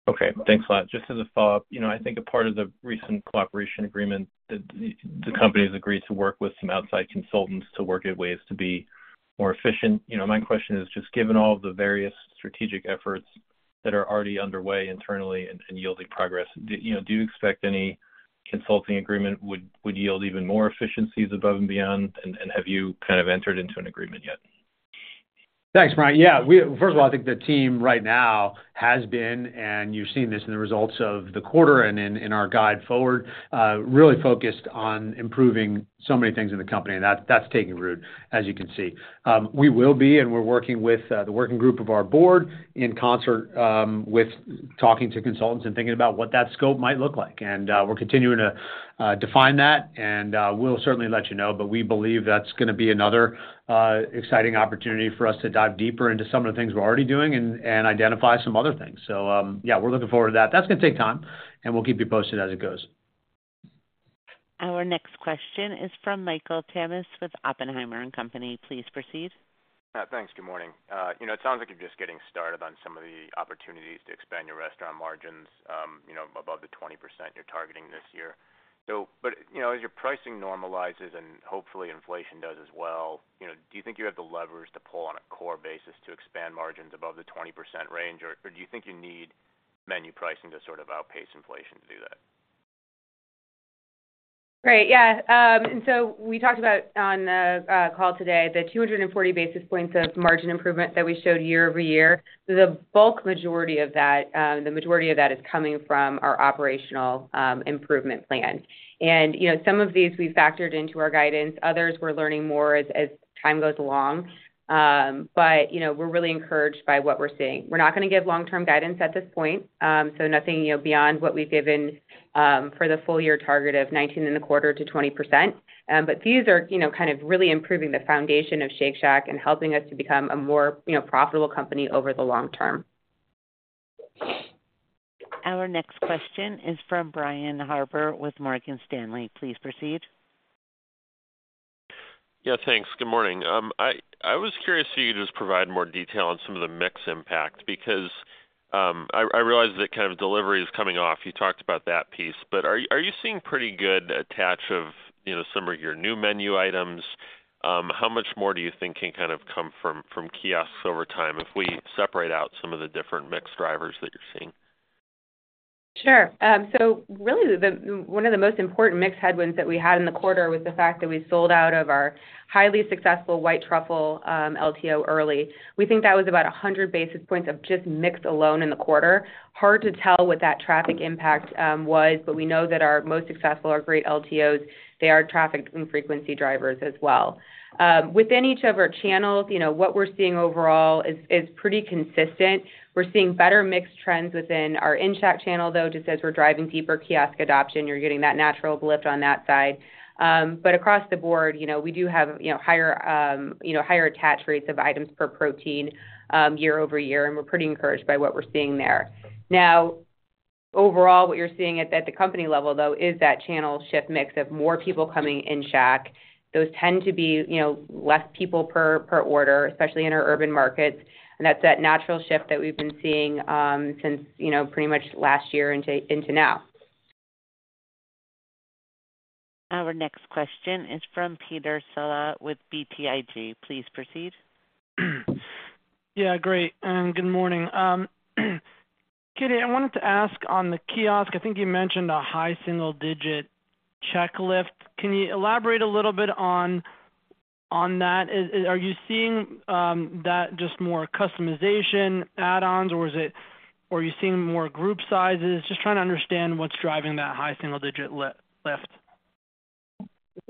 Okay, thanks a lot. Just as a follow-up, you know, I think a part of the recent cooperation agreement that the company has agreed to work with some outside consultants to work at ways to be more efficient. You know, my question is just given all the various strategic efforts that are already underway internally and yielding progress, do you know, do you expect any consulting agreement would yield even more efficiencies above and beyond? Have you kind of entered into an agreement yet? Thanks, Brian. Yeah, first of all, I think the team right now has been, and you've seen this in the results of the quarter and in, in our guide forward, really focused on improving so many things in the company. That, that's taking root, as you can see. We will be, and we're working with, the working group of our board in concert, with talking to consultants and thinking about what that scope might look like. We're continuing to, define that, and, we'll certainly let you know. We believe that's gonna be another, exciting opportunity for us to dive deeper into some of the things we're already doing and, and identify some other things. Yeah, we're looking forward to that. That's gonna take time, and we'll keep you posted as it goes. Our next question is from Michael Tamas with Oppenheimer and Company. Please proceed. Thanks. Good morning. You know, it sounds like you're just getting started on some of the opportunities to expand your restaurant margins, you know, above the 20% you're targeting this year. You know, as your pricing normalizes, and hopefully inflation does as well, you know, do you think you have the levers to pull on a core basis to expand margins above the 20% range, or, or do you think you need menu pricing to sort of outpace inflation to do that? Great, yeah. We talked about on the call today the 240 basis points of margin improvement that we showed year-over-year. The bulk majority of that, the majority of that is coming from our operational improvement plan. You know, some of these we've factored into our guidance, others we're learning more as, as time goes along. You know, we're really encouraged by what we're seeing. We're not gonna give long-term guidance at this point, so nothing, you know, beyond what we've given for the full year target of 19.25%-20%. These are, you know, kind of really improving the foundation of Shake Shack and helping us to become a more, you know, profitable company over the long term. Our next question is from Brian Harbour with Morgan Stanley. Please proceed. Yeah, thanks. Good morning. I, I was curious if you could just provide more detail on some of the mix impact, because, I, I realize that kind of delivery is coming off. You talked about that piece, but are, are you seeing pretty good attach of, you know, some of your new menu items? How much more do you think can kind of come from, from kiosks over time if we separate out some of the different mix drivers that you're seeing? Sure. Really, the, one of the most important mix headwinds that we had in the quarter was the fact that we sold out of our highly successful white truffle LTO early. We think that was about 100 basis points of just mix alone in the quarter. Hard to tell what that traffic impact was, but we know that our most successful, our great LTOs, they are traffic and frequency drivers as well. Within each of our channels, you know, what we're seeing overall is, is pretty consistent. We're seeing better mixed trends within our in-shack channel, though, just as we're driving deeper kiosk adoption, you're getting that natural lift on that side. Across the board, you know, we do have, you know, higher, you know, higher attach rates of items per protein, year-over-year, and we're pretty encouraged by what we're seeing there. Overall, what you're seeing at the, the company level, though, is that channel shift mix of more people coming in-shack. Those tend to be, you know, less people per, per order, especially in our urban markets. That's that natural shift that we've been seeing, since, you know, pretty much last year into, into now. Our next question is from Peter Saleh with BTIG. Please proceed. Yeah, great, and good morning. Katie, I wanted to ask on the kiosk, I think you mentioned a high single digit check lift. Can you elaborate a little bit on, on that? Are you seeing that just more customization add-ons, or is it... Are you seeing more group sizes? Just trying to understand what's driving that high single digit lift.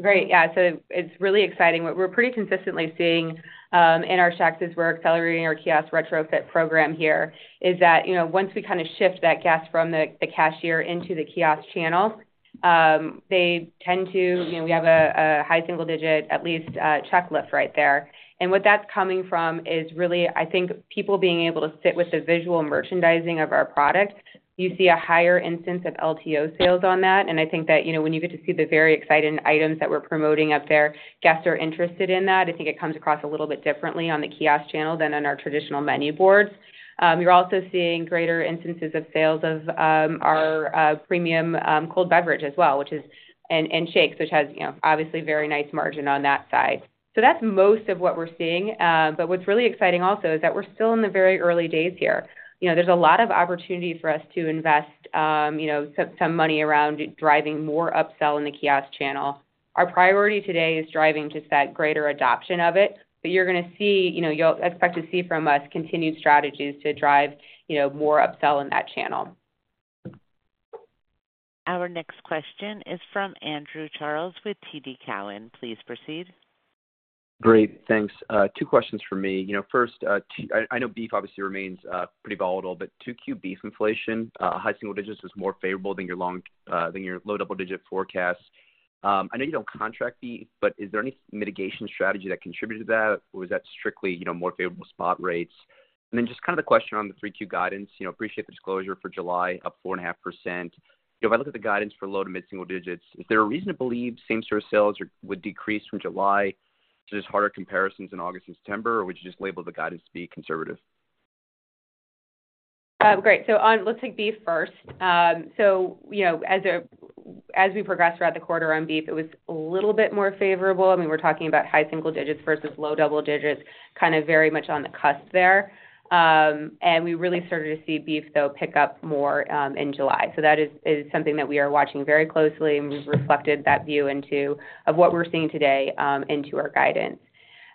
Great. Yeah, it's really exciting. What we're pretty consistently seeing in our shacks is we're accelerating our kiosk retrofit program here, is that, you know, once we kind of shift that guest from the cashier into the kiosk channel, they tend to, you know, we have a high single digit, at least, check lift right there. What that's coming from is really, I think, people being able to sit with the visual merchandising of our products. You see a higher instance of LTO sales on that. I think that, you know, when you get to see the very exciting items that we're promoting up there, guests are interested in that. I think it comes across a little bit differently on the kiosk channel than on our traditional menu boards. You're also seeing greater instances of sales of our premium cold beverage as well, which is, and, and shakes, which has, you know, obviously very nice margin on that side. That's most of what we're seeing. What's really exciting also is that we're still in the very early days here. You know, there's a lot of opportunity for us to invest, you know, some, some money around driving more upsell in the kiosk channel. Our priority today is driving just that greater adoption of it. You're gonna see, you know, you'll expect to see from us continued strategies to drive, you know, more upsell in that channel. Our next question is from Andrew Charles with TD Cowen. Please proceed. Great, thanks. 2 questions for me. You know, first, I know beef obviously remains pretty volatile, but 2Q beef inflation, high single digits was more favorable than your long than your low double-digit forecast. I know you don't contract beef, but is there any mitigation strategy that contributed to that, or was that strictly, you know, more favorable spot rates? Just kind of the question on the 3Q guidance. You know, appreciate the disclosure for July, up 4.5%. If I look at the guidance for low to mid single digits, is there a reason to believe same store sales would decrease from July? Just harder comparisons in August and September, or would you just label the guidance to be conservative? Great. on... Let's take beef first. you know, as we progress throughout the quarter on beef, it was a little bit more favorable. I mean, we're talking about high single digits versus low double digits, kind of very much on the cusp there. we really started to see beef, though, pick up more in July. That is, is something that we are watching very closely, and we've reflected that view into, of what we're seeing today, into our guidance.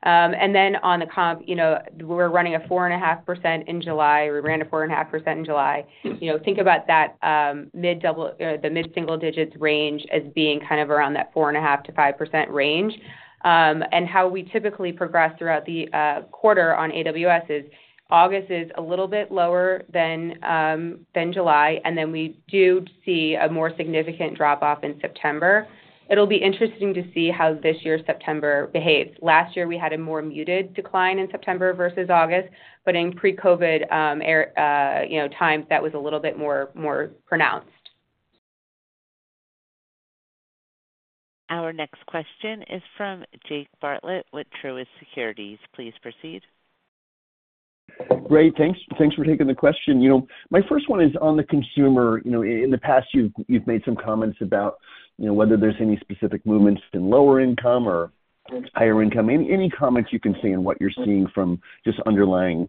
Then on the comp, you know, we're running a 4.5% in July. We ran a 4.5% in July. You know, think about that, mid double, the mid single digits range as being kind of around that 4.5%-5% range. How we typically progress throughout the quarter on AWS is, August is a little bit lower than July, and then we do see a more significant drop off in September. It'll be interesting to see how this year's September behaves. Last year, we had a more muted decline in September versus August, but in pre-COVID, you know, times, that was a little bit more, more pronounced. Our next question is from Jake Bartlett with Truist Securities. Please proceed. Great. Thanks, thanks for taking the question. You know, my first one is on the consumer. You know, in the past, you've, you've made some comments about, you know, whether there's any specific movements in lower income or higher income. Any, any comments you can see on what you're seeing from just underlying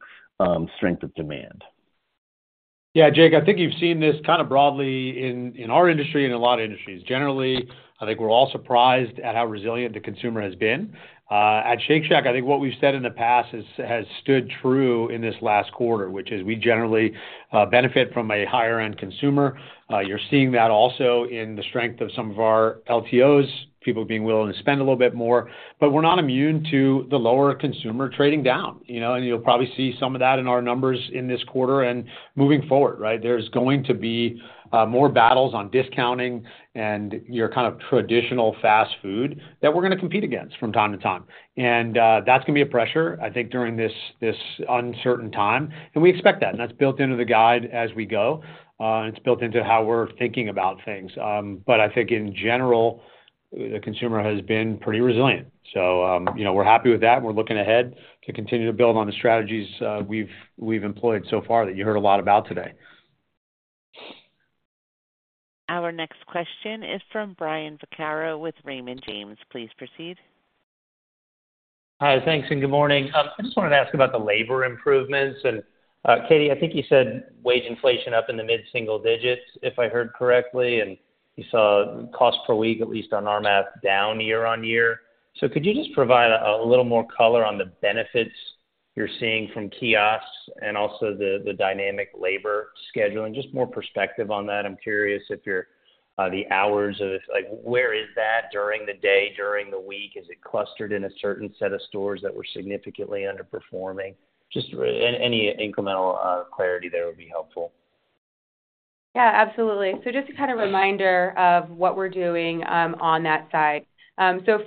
strength of demand? Yeah, Jake, I think you've seen this kind of broadly in, in our industry and a lot of industries. Generally, I think we're all surprised at how resilient the consumer has been. At Shake Shack, I think what we've said in the past is, has stood true in this last quarter, which is we generally benefit from a higher end consumer. You're seeing that also in the strength of some of our LTOs, people being willing to spend a little bit more, but we're not immune to the lower consumer trading down, you know? You'll probably see some of that in our numbers in this quarter and moving forward, right? There's going to be more battles on discounting and your kind of traditional fast food that we're going to compete against from time to time. That's going to be a pressure, I think, during this, this uncertain time, and we expect that. That's built into the guide as we go, and it's built into how we're thinking about things. I think in general, the consumer has been pretty resilient. You know, we're happy with that, and we're looking ahead to continue to build on the strategies, we've, we've employed so far that you heard a lot about today. Our next question is from Brian Vaccaro with Raymond James. Please proceed. Hi, thanks, and good morning. I just wanted to ask about the labor improvements. Katie, I think you said wage inflation up in the mid-single digits, if I heard correctly, and you saw cost per week, at least on our math, down year-on-year. Could you just provide a, a little more color on the benefits you're seeing from kiosks and also the, the dynamic labor scheduling? Just more perspective on that. I'm curious if you're, the hours of-- like, where is that during the day, during the week? Is it clustered in a certain set of stores that were significantly underperforming? Just any incremental clarity there would be helpful. Yeah, absolutely. Just a kind of reminder of what we're doing on that side.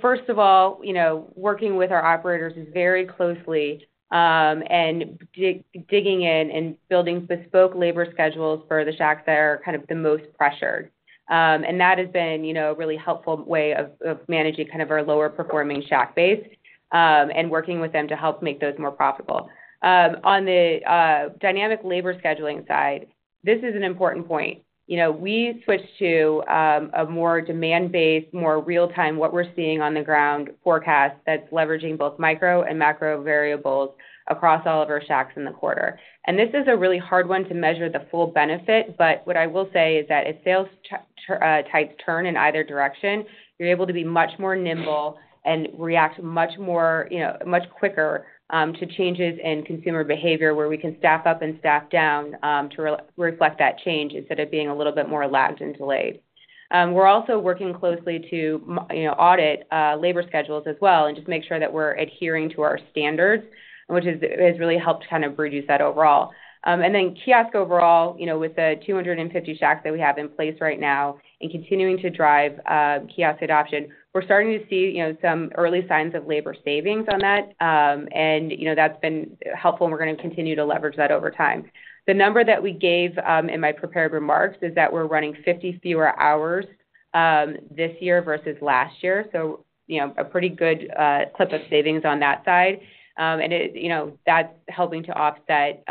First of all, you know, working with our operators very closely, and dig-digging in and building bespoke labor schedules for the Shacks that are kind of the most pressured. That has been, you know, a really helpful way of, of managing kind of our lower performing Shack base, and working with them to help make those more profitable. On the dynamic labor scheduling side, this is an important point. You know, we switched to a more demand-based, more real-time, what we're seeing on the ground forecast that's leveraging both micro and macro variables across all of our Shacks in the quarter. This is a really hard one to measure the full benefit, but what I will say is that if sales types turn in either direction, you're able to be much more nimble and react much more, you know, much quicker to changes in consumer behavior, where we can staff up and staff down to re-reflect that change instead of being a little bit more lagged and delayed. We're also working closely to, you know, audit labor schedules as well and just make sure that we're adhering to our standards, which has, has really helped kind of reduce that overall. Then kiosk overall, you know, with the 250 Shacks that we have in place right now and continuing to drive kiosk adoption, we're starting to see, you know, some early signs of labor savings on that. You know, that's been helpful, and we're going to continue to leverage that over time. The number that we gave in my prepared remarks is that we're running 50 fewer hours this year versus last year, so, you know, a pretty good clip of savings on that side. You know, that's helping to offset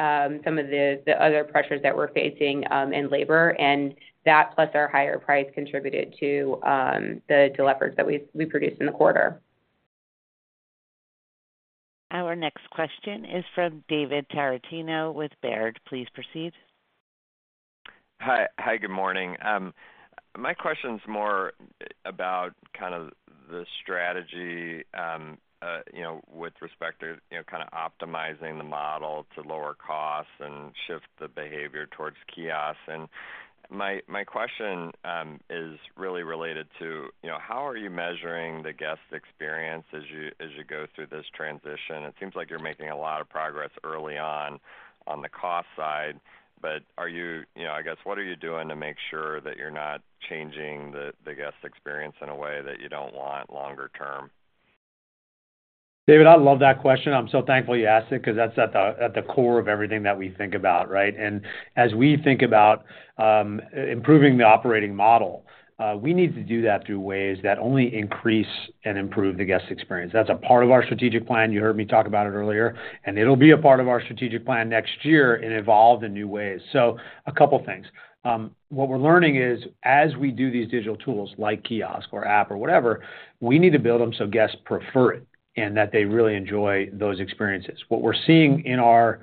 some of the other pressures that we're facing in labor, and that, plus our higher price, contributed to the delevers that we produced in the quarter. Our next question is from David Tarantino with Baird. Please proceed. Hi. Hi, good morning. My question's more about kind of the strategy, you know, with respect to, you know, kind of optimizing the model to lower costs and shift the behavior towards kiosks. My, my question, is really related to, you know, how are you measuring the guest experience as you, as you go through this transition? It seems like you're making a lot of progress early on, on the cost side, but are you... You know, I guess, what are you doing to make sure that you're not changing the, the guest experience in a way that you don't want longer term? David, I love that question. I'm so thankful you asked it because that's at the core of everything that we think about, right? As we think about improving the operating model, we need to do that through ways that only increase and improve the guest experience. That's a part of our strategic plan, you heard me talk about it earlier, and it'll be a part of our strategic plan next year and evolve in new ways. A couple things. What we're learning is, as we do these digital tools, like kiosk or app or whatever, we need to build them so guests prefer it and that they really enjoy those experiences. What we're seeing in our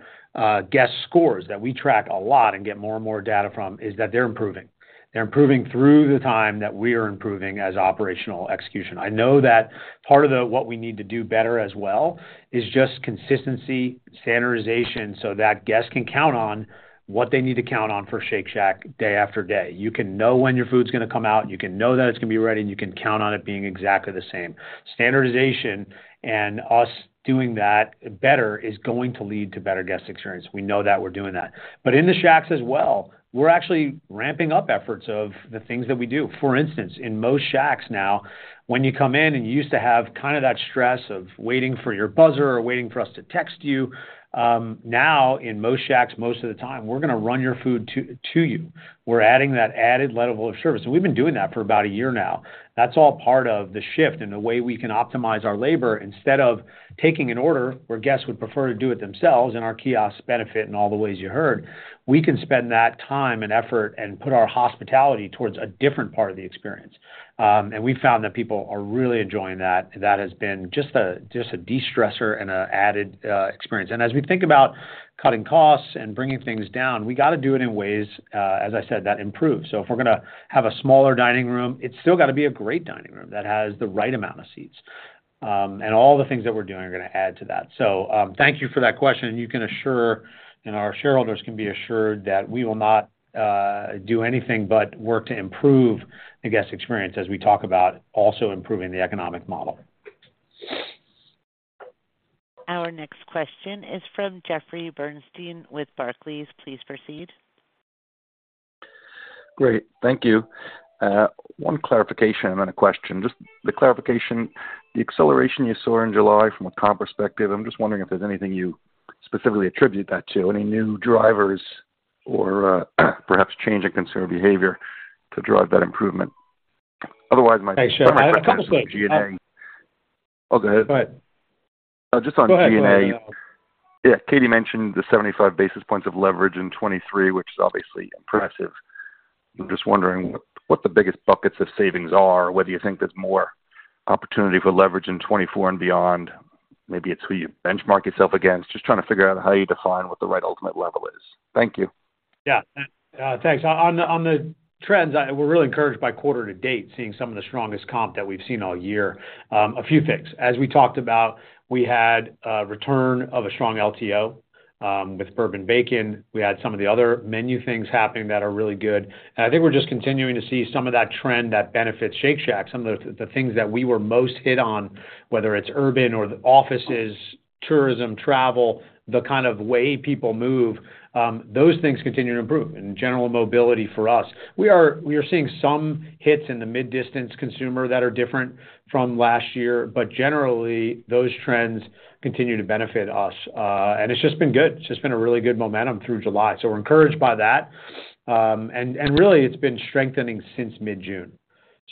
guest scores, that we track a lot and get more and more data from, is that they're improving. They're improving through the time that we are improving as operational execution. I know that part of the, what we need to do better as well is just consistency, standardization, so that guests can count on what they need to count on for Shake Shack day after day. You can know when your food's going to come out, you can know that it's going to be ready, and you can count on it being exactly the same. Standardization and us doing that better is going to lead to better guest experience. We know that, we're doing that. In the Shacks as well, we're actually ramping up efforts of the things that we do. For instance, in most Shacks now, when you come in and you used to have kind of that stress of waiting for your buzzer or waiting for us to text you, now, in most Shacks, most of the time, we're going to run your food to, to you. We're adding that added level of service, and we've been doing that for about a year now. That's all part of the shift and the way we can optimize our labor. Instead of taking an order, where guests would prefer to do it themselves, and our kiosks benefit in all the ways you heard, we can spend that time and effort and put our hospitality towards a different part of the experience. We found that people are really enjoying that, and that has been just a, just a de-stressor and a added experience. As we think about cutting costs and bringing things down, we got to do it in ways, as I said, that improve. If we're going to have a smaller dining room, it's still got to be a great dining room that has the right amount of seats. And all the things that we're doing are going to add to that. Thank you for that question. You can assure, and our shareholders can be assured, that we will not do anything but work to improve the guest experience as we talk about also improving the economic model. Our next question is from Jeffrey Bernstein with Barclays. Please proceed. Great. Thank you. One clarification and then a question. Just the clarification, the acceleration you saw in July from a comp perspective, I'm just wondering if there's anything you specifically attribute that to, any new drivers or, perhaps change in consumer behavior to drive that improvement? Otherwise, my- Hey, sure. Oh, go ahead. Go ahead. Just on G&A. Yeah, Katie mentioned the 75 basis points of leverage in 2023, which is obviously impressive. I'm just wondering what, what the biggest buckets of savings are, or whether you think there's more opportunity for leverage in 2024 and beyond. Maybe it's who you benchmark yourself against. Just trying to figure out how you define what the right ultimate level is. Thank you. Yeah. Thanks. On, on the, on the trends, we're really encouraged by quarter to date, seeing some of the strongest comp that we've seen all year. A few things. As we talked about, we had a return of a strong LTO with bourbon bacon. We had some of the other menu things happening that are really good. I think we're just continuing to see some of that trend that benefits Shake Shack. Some of the, the things that we were most hit on, whether it's urban or the offices, tourism, travel, the kind of way people move, those things continue to improve and general mobility for us. We are, we are seeing some hits in the mid-distance consumer that are different from last year, but generally, those trends continue to benefit us. It's just been good. It's just been a really good momentum through July, so we're encouraged by that. Really, it's been strengthening since mid-June.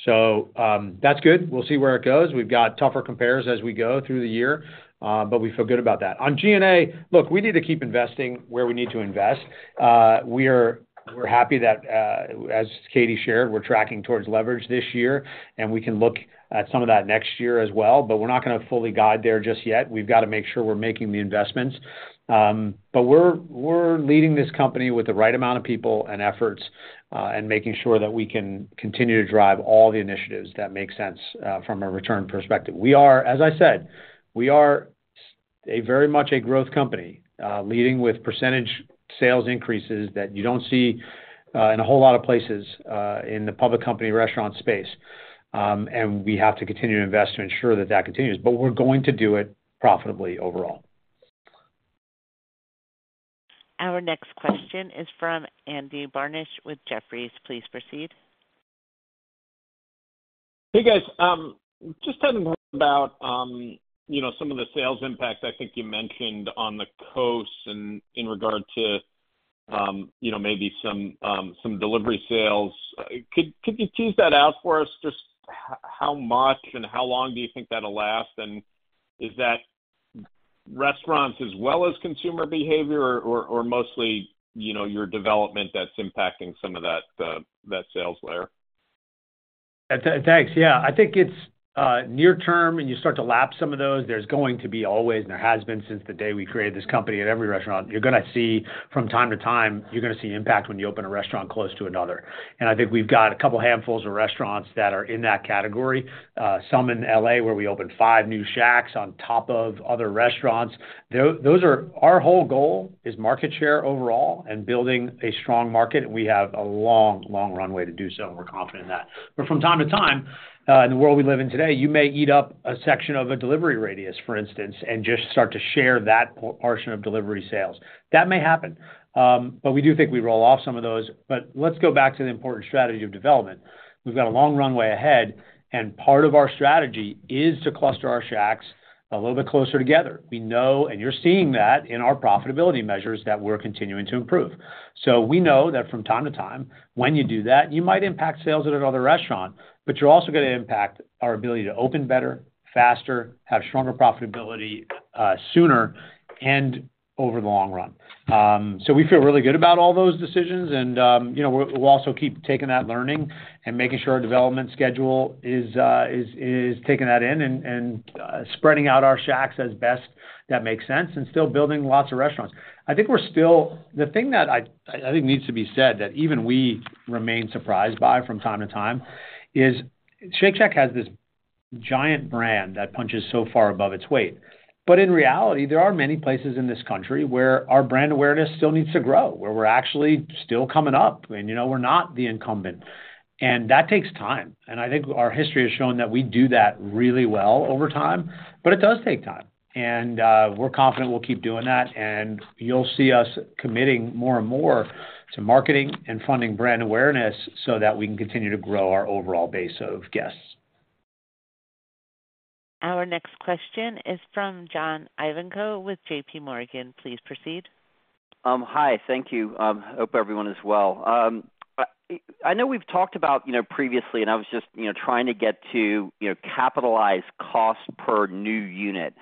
That's good. We'll see where it goes. We've got tougher compares as we go through the year, but we feel good about that. On G&A, look, we need to keep investing where we need to invest. We're happy that, as Katie shared, we're tracking towards leverage this year, and we can look at some of that next year as well, but we're not gonna fully guide there just yet. We've got to make sure we're making the investments. We're, we're leading this company with the right amount of people and efforts, and making sure that we can continue to drive all the initiatives that make sense, from a return perspective. We are, as I said, we are a very much a growth company, leading with percentage sales increases that you don't see, in a whole lot of places, in the public company restaurant space. We have to continue to invest to ensure that that continues, but we're going to do it profitably overall. Our next question is from Andy Barish with Jefferies. Please proceed. Hey, guys, just talking about, you know, some of the sales impacts I think you mentioned on the coast and in regard to, you know, maybe some delivery sales. Could you tease that out for us? Just how much and how long do you think that'll last? Is that restaurants as well as consumer behavior or mostly, you know, your development that's impacting some of that sales layer? Thanks. Yeah. I think it's near term, and you start to lap some of those, there's going to be always, and there has been since the day we created this company, at every restaurant, you're gonna see from time to time, you're gonna see impact when you open a restaurant close to another. I think we've got a couple handfuls of restaurants that are in that category, some in L.A., where we opened five new Shacks on top of other restaurants. Those are our whole goal is market share overall and building a strong market, and we have a long, long runway to do so, and we're confident in that. From time to time, in the world we live in today, you may eat up a section of a delivery radius, for instance, and just start to share that portion of delivery sales. That may happen, but we do think we roll off some of those. Let's go back to the important strategy of development. We've got a long runway ahead, and part of our strategy is to cluster our Shacks a little bit closer together. We know, and you're seeing that in our profitability measures, that we're continuing to improve. We know that from time to time, when you do that, you might impact sales at another restaurant, but you're also gonna impact our ability to open better, faster, have stronger profitability, sooner and over the long run. So we feel really good about all those decisions, and, you know, we'll, we'll also keep taking that learning and making sure our development schedule is, is, is taking that in and, and, spreading out our Shacks as best that makes sense, and still building lots of restaurants. I think we're still... The thing that I, I think needs to be said, that even we remain surprised by from time to time, is Shake Shack has this giant brand that punches so far above its weight. In reality, there are many places in this country where our brand awareness still needs to grow, where we're actually still coming up and, you know, we're not the incumbent. That takes time, and I think our history has shown that we do that really well over time, but it does take time. We're confident we'll keep doing that, and you'll see us committing more and more to marketing and funding brand awareness so that we can continue to grow our overall base of guests. Our next question is from John Ivankoe with J.P. Morgan. Please proceed. Hi. Thank you. Hope everyone is well. I, I know we've talked about, you know, previously, and I was just, you know, trying to get to, you know, capitalized cost per new unit.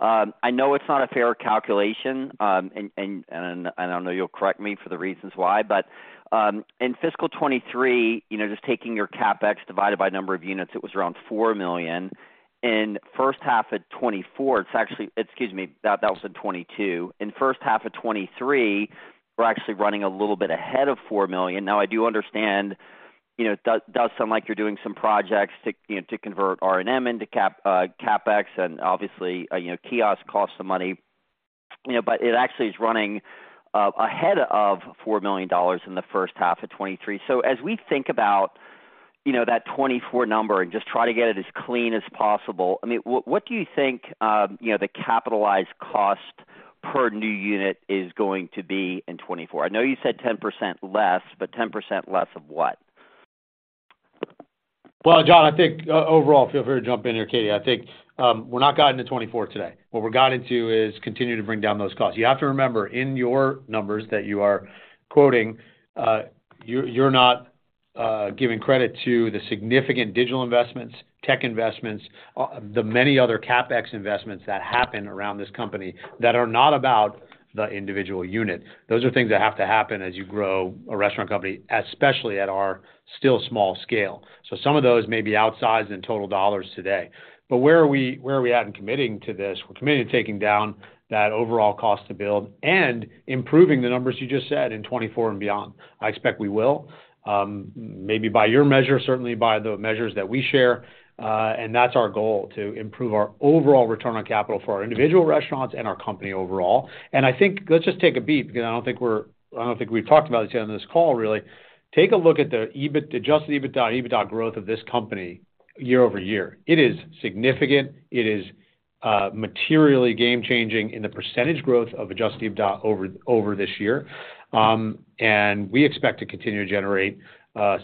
I know it's not a fair calculation, and, and, and I know you'll correct me for the reasons why, but, in fiscal 2023, you know, just taking your CapEx divided by number of units, it was around $4 million. In first half of 2024, it's actually-- excuse me, that, that was in 2022. In first half of 2023, we're actually running a little bit ahead of $4 million. Now, I do understand, you know, it does, does sound like you're doing some projects to, you know, to convert R&M into CapEx, and obviously, you know, kiosk costs some money. you know, but it actually is running, ahead of $4 million in the first half of 2023. As we think about, you know, that 2024 number and just try to get it as clean as possible, I mean, what, what do you think, you know, the capitalized cost per new unit is going to be in 2024? I know you said 10% less, but 10% less of what? Well, John, I think overall, feel free to jump in here, Katie Fogerty. I think, we're not guiding to 2024 today. What we're guiding to is continuing to bring down those costs. You have to remember, in your numbers that you are quoting, you're not giving credit to the significant digital investments, tech investments, the many other CapEx investments that happen around this company that are not about the individual unit. Those are things that have to happen as you grow a restaurant company, especially at our still small scale. Some of those may be outsized in total dollars today. Where are we at in committing to this? We're committed to taking down that overall cost to build and improving the numbers you just said in 2024 and beyond. I expect we will, maybe by your measure, certainly by the measures that we share, that's our goal, to improve our overall return on capital for our individual restaurants and our company overall. I think let's just take a beat, because I don't think we've talked about it on this call, really. Take a look at the EBIT, adjusted EBITDA, EBITDA growth of this company year-over-year. It is significant. It is materially game changing in the % growth of adjusted EBITDA over, over this year. We expect to continue to generate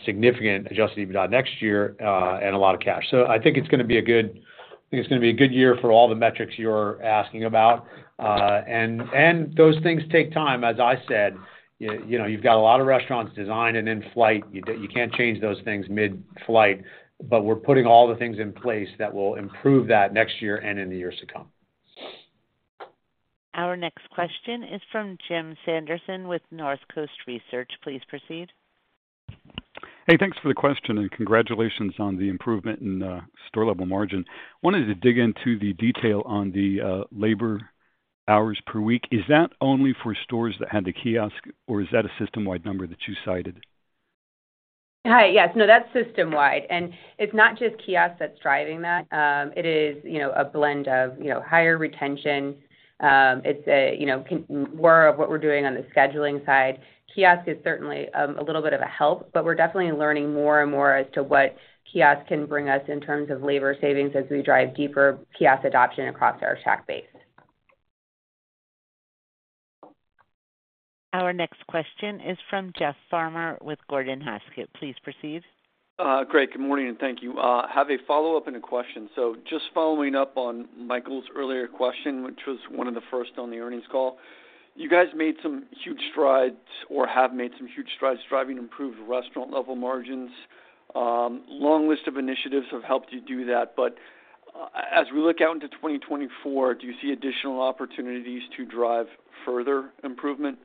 significant adjusted EBITDA next year, and a lot of cash. I think it's gonna be a good, think it's gonna be a good year for all the metrics you're asking about. Those things take time. As I said, you know, you've got a lot of restaurants designed and in flight. You can't change those things mid-flight, but we're putting all the things in place that will improve that next year and in the years to come. Our next question is from Jim Sanderson with North Coast Research. Please proceed. Hey, thanks for the question, and congratulations on the improvement in store level margin. Wanted to dig into the detail on the labor hours per week. Is that only for stores that had the kiosk, or is that a system-wide number that you cited? Hi. Yes, no, that's system wide, and it's not just kiosk that's driving that. It is, you know, a blend of, you know, higher retention. It's a, you know, more of what we're doing on the scheduling side. Kiosk is certainly a little bit of a help, but we're definitely learning more and more as to what kiosk can bring us in terms of labor savings as we drive deeper kiosk adoption across our Shack base. Our next question is from Jeff Farmer with Gordon Haskett. Please proceed. Great, good morning, and thank you. Have a follow-up and a question. Just following up on Michael's earlier question, which was one of the first on the earnings call. You guys made some huge strides or have made some huge strides driving improved restaurant level margins. Long list of initiatives have helped you do that, but as we look out into 2024, do you see additional opportunities to drive further improvement?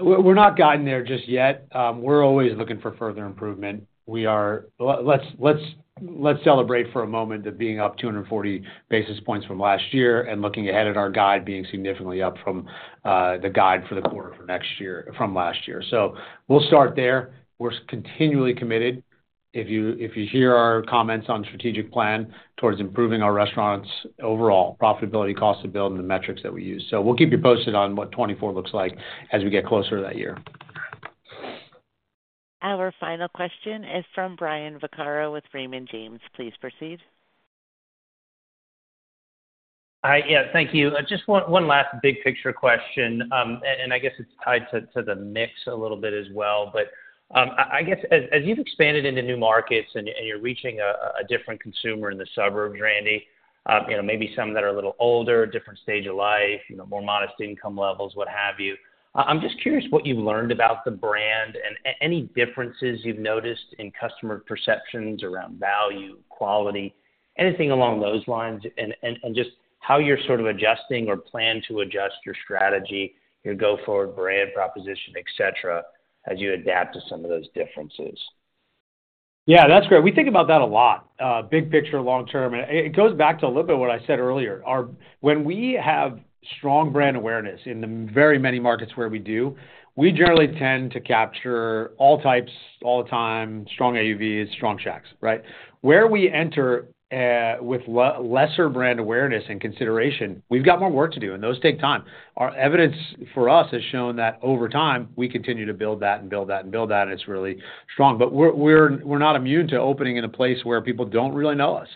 We're not gotten there just yet. We're always looking for further improvement. Let's celebrate for a moment of being up 240 basis points from last year and looking ahead at our guide, being significantly up from the guide for the quarter for next year, from last year. We'll start there. We're continually committed. If you hear our comments on strategic plan towards improving our restaurants' overall profitability, cost to build, and the metrics that we use. We'll keep you posted on what 2024 looks like as we get closer to that year. Our final question is from Brian Vaccaro with Raymond James. Please proceed. Hi. Yeah, thank you. Just one, one last big picture question, and, and I guess it's tied to, to the mix a little bit as well. I, I guess as, as you've expanded into new markets and, and you're reaching a, a different consumer in the suburbs, Randy, you know, maybe some that are a little older, different stage of life, you know, more modest income levels, what have you. I'm just curious what you've learned about the brand and any differences you've noticed in customer perceptions around value, quality, anything along those lines, and, and, and just how you're sort of adjusting or plan to adjust your strategy, your go-forward brand proposition, et cetera, as you adapt to some of those differences? Yeah, that's great. We think about that a lot, big picture, long term, and it, it goes back to a little bit what I said earlier. When we have strong brand awareness in the very many markets where we do, we generally tend to capture all types, all the time, strong AUVs, strong Shacks, right? Where we enter with lesser brand awareness and consideration, we've got more work to do, and those take time. Our evidence for us has shown that over time, we continue to build that and build that and build that, and it's really strong. We're, we're, we're not immune to opening in a place where people don't really know us.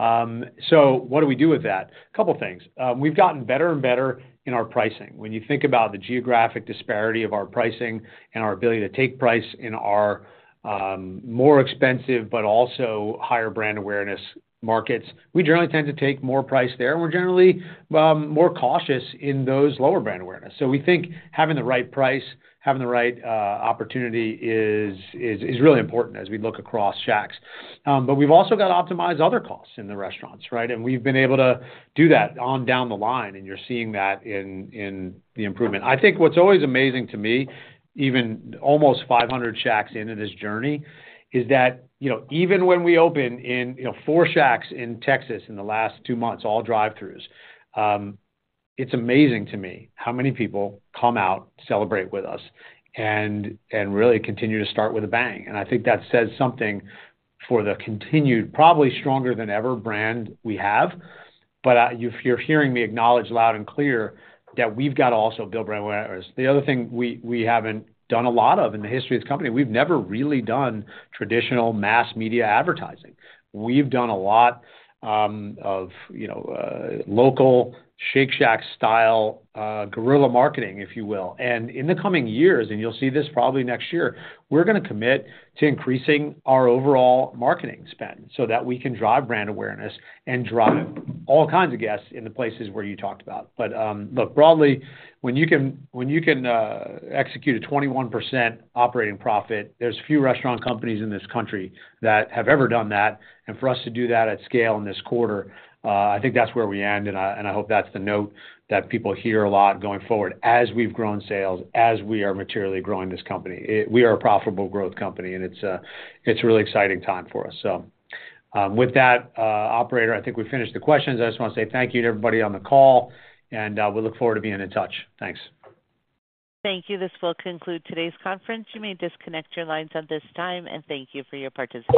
What do we do with that? A couple things. We've gotten better and better in our pricing. When you think about the geographic disparity of our pricing and our ability to take price in our more expensive but also higher brand awareness markets, we generally tend to take more price there. We're generally more cautious in those lower brand awareness. We think having the right price, having the right opportunity is, is, is really important as we look across Shacks. But we've also got to optimize other costs in the restaurants, right? We've been able to do that on down the line, and you're seeing that in, in the improvement. I think what's always amazing to me, even almost 500 Shacks into this journey, is that, you know, even when we open in, you know, four Shacks in Texas in the last two months, all drive-thrus, it's amazing to me how many people come out, celebrate with us, and, and really continue to start with a bang. I think that says something for the continued, probably stronger than ever, brand we have. You're hearing me acknowledge loud and clear that we've got to also build brand awareness. The other thing we, we haven't done a lot of in the history of the company, we've never really done traditional mass media advertising. We've done a lot, of, you know, local Shake Shack style, guerrilla marketing, if you will. In the coming years, and you'll see this probably next year, we're gonna commit to increasing our overall marketing spend so that we can drive brand awareness and drive all kinds of guests in the places where you talked about. Look, broadly, when you can, when you can execute a 21% operating profit, there's few restaurant companies in this country that have ever done that. For us to do that at scale in this quarter, I think that's where we end, and I, and I hope that's the note that people hear a lot going forward. As we've grown sales, as we are materially growing this company, we are a profitable growth company, and it's a, it's a really exciting time for us. With that, operator, I think we've finished the questions. I just want to say thank you to everybody on the call, and we look forward to being in touch. Thanks. Thank you. This will conclude today's conference. You may disconnect your lines at this time, and thank you for your participation.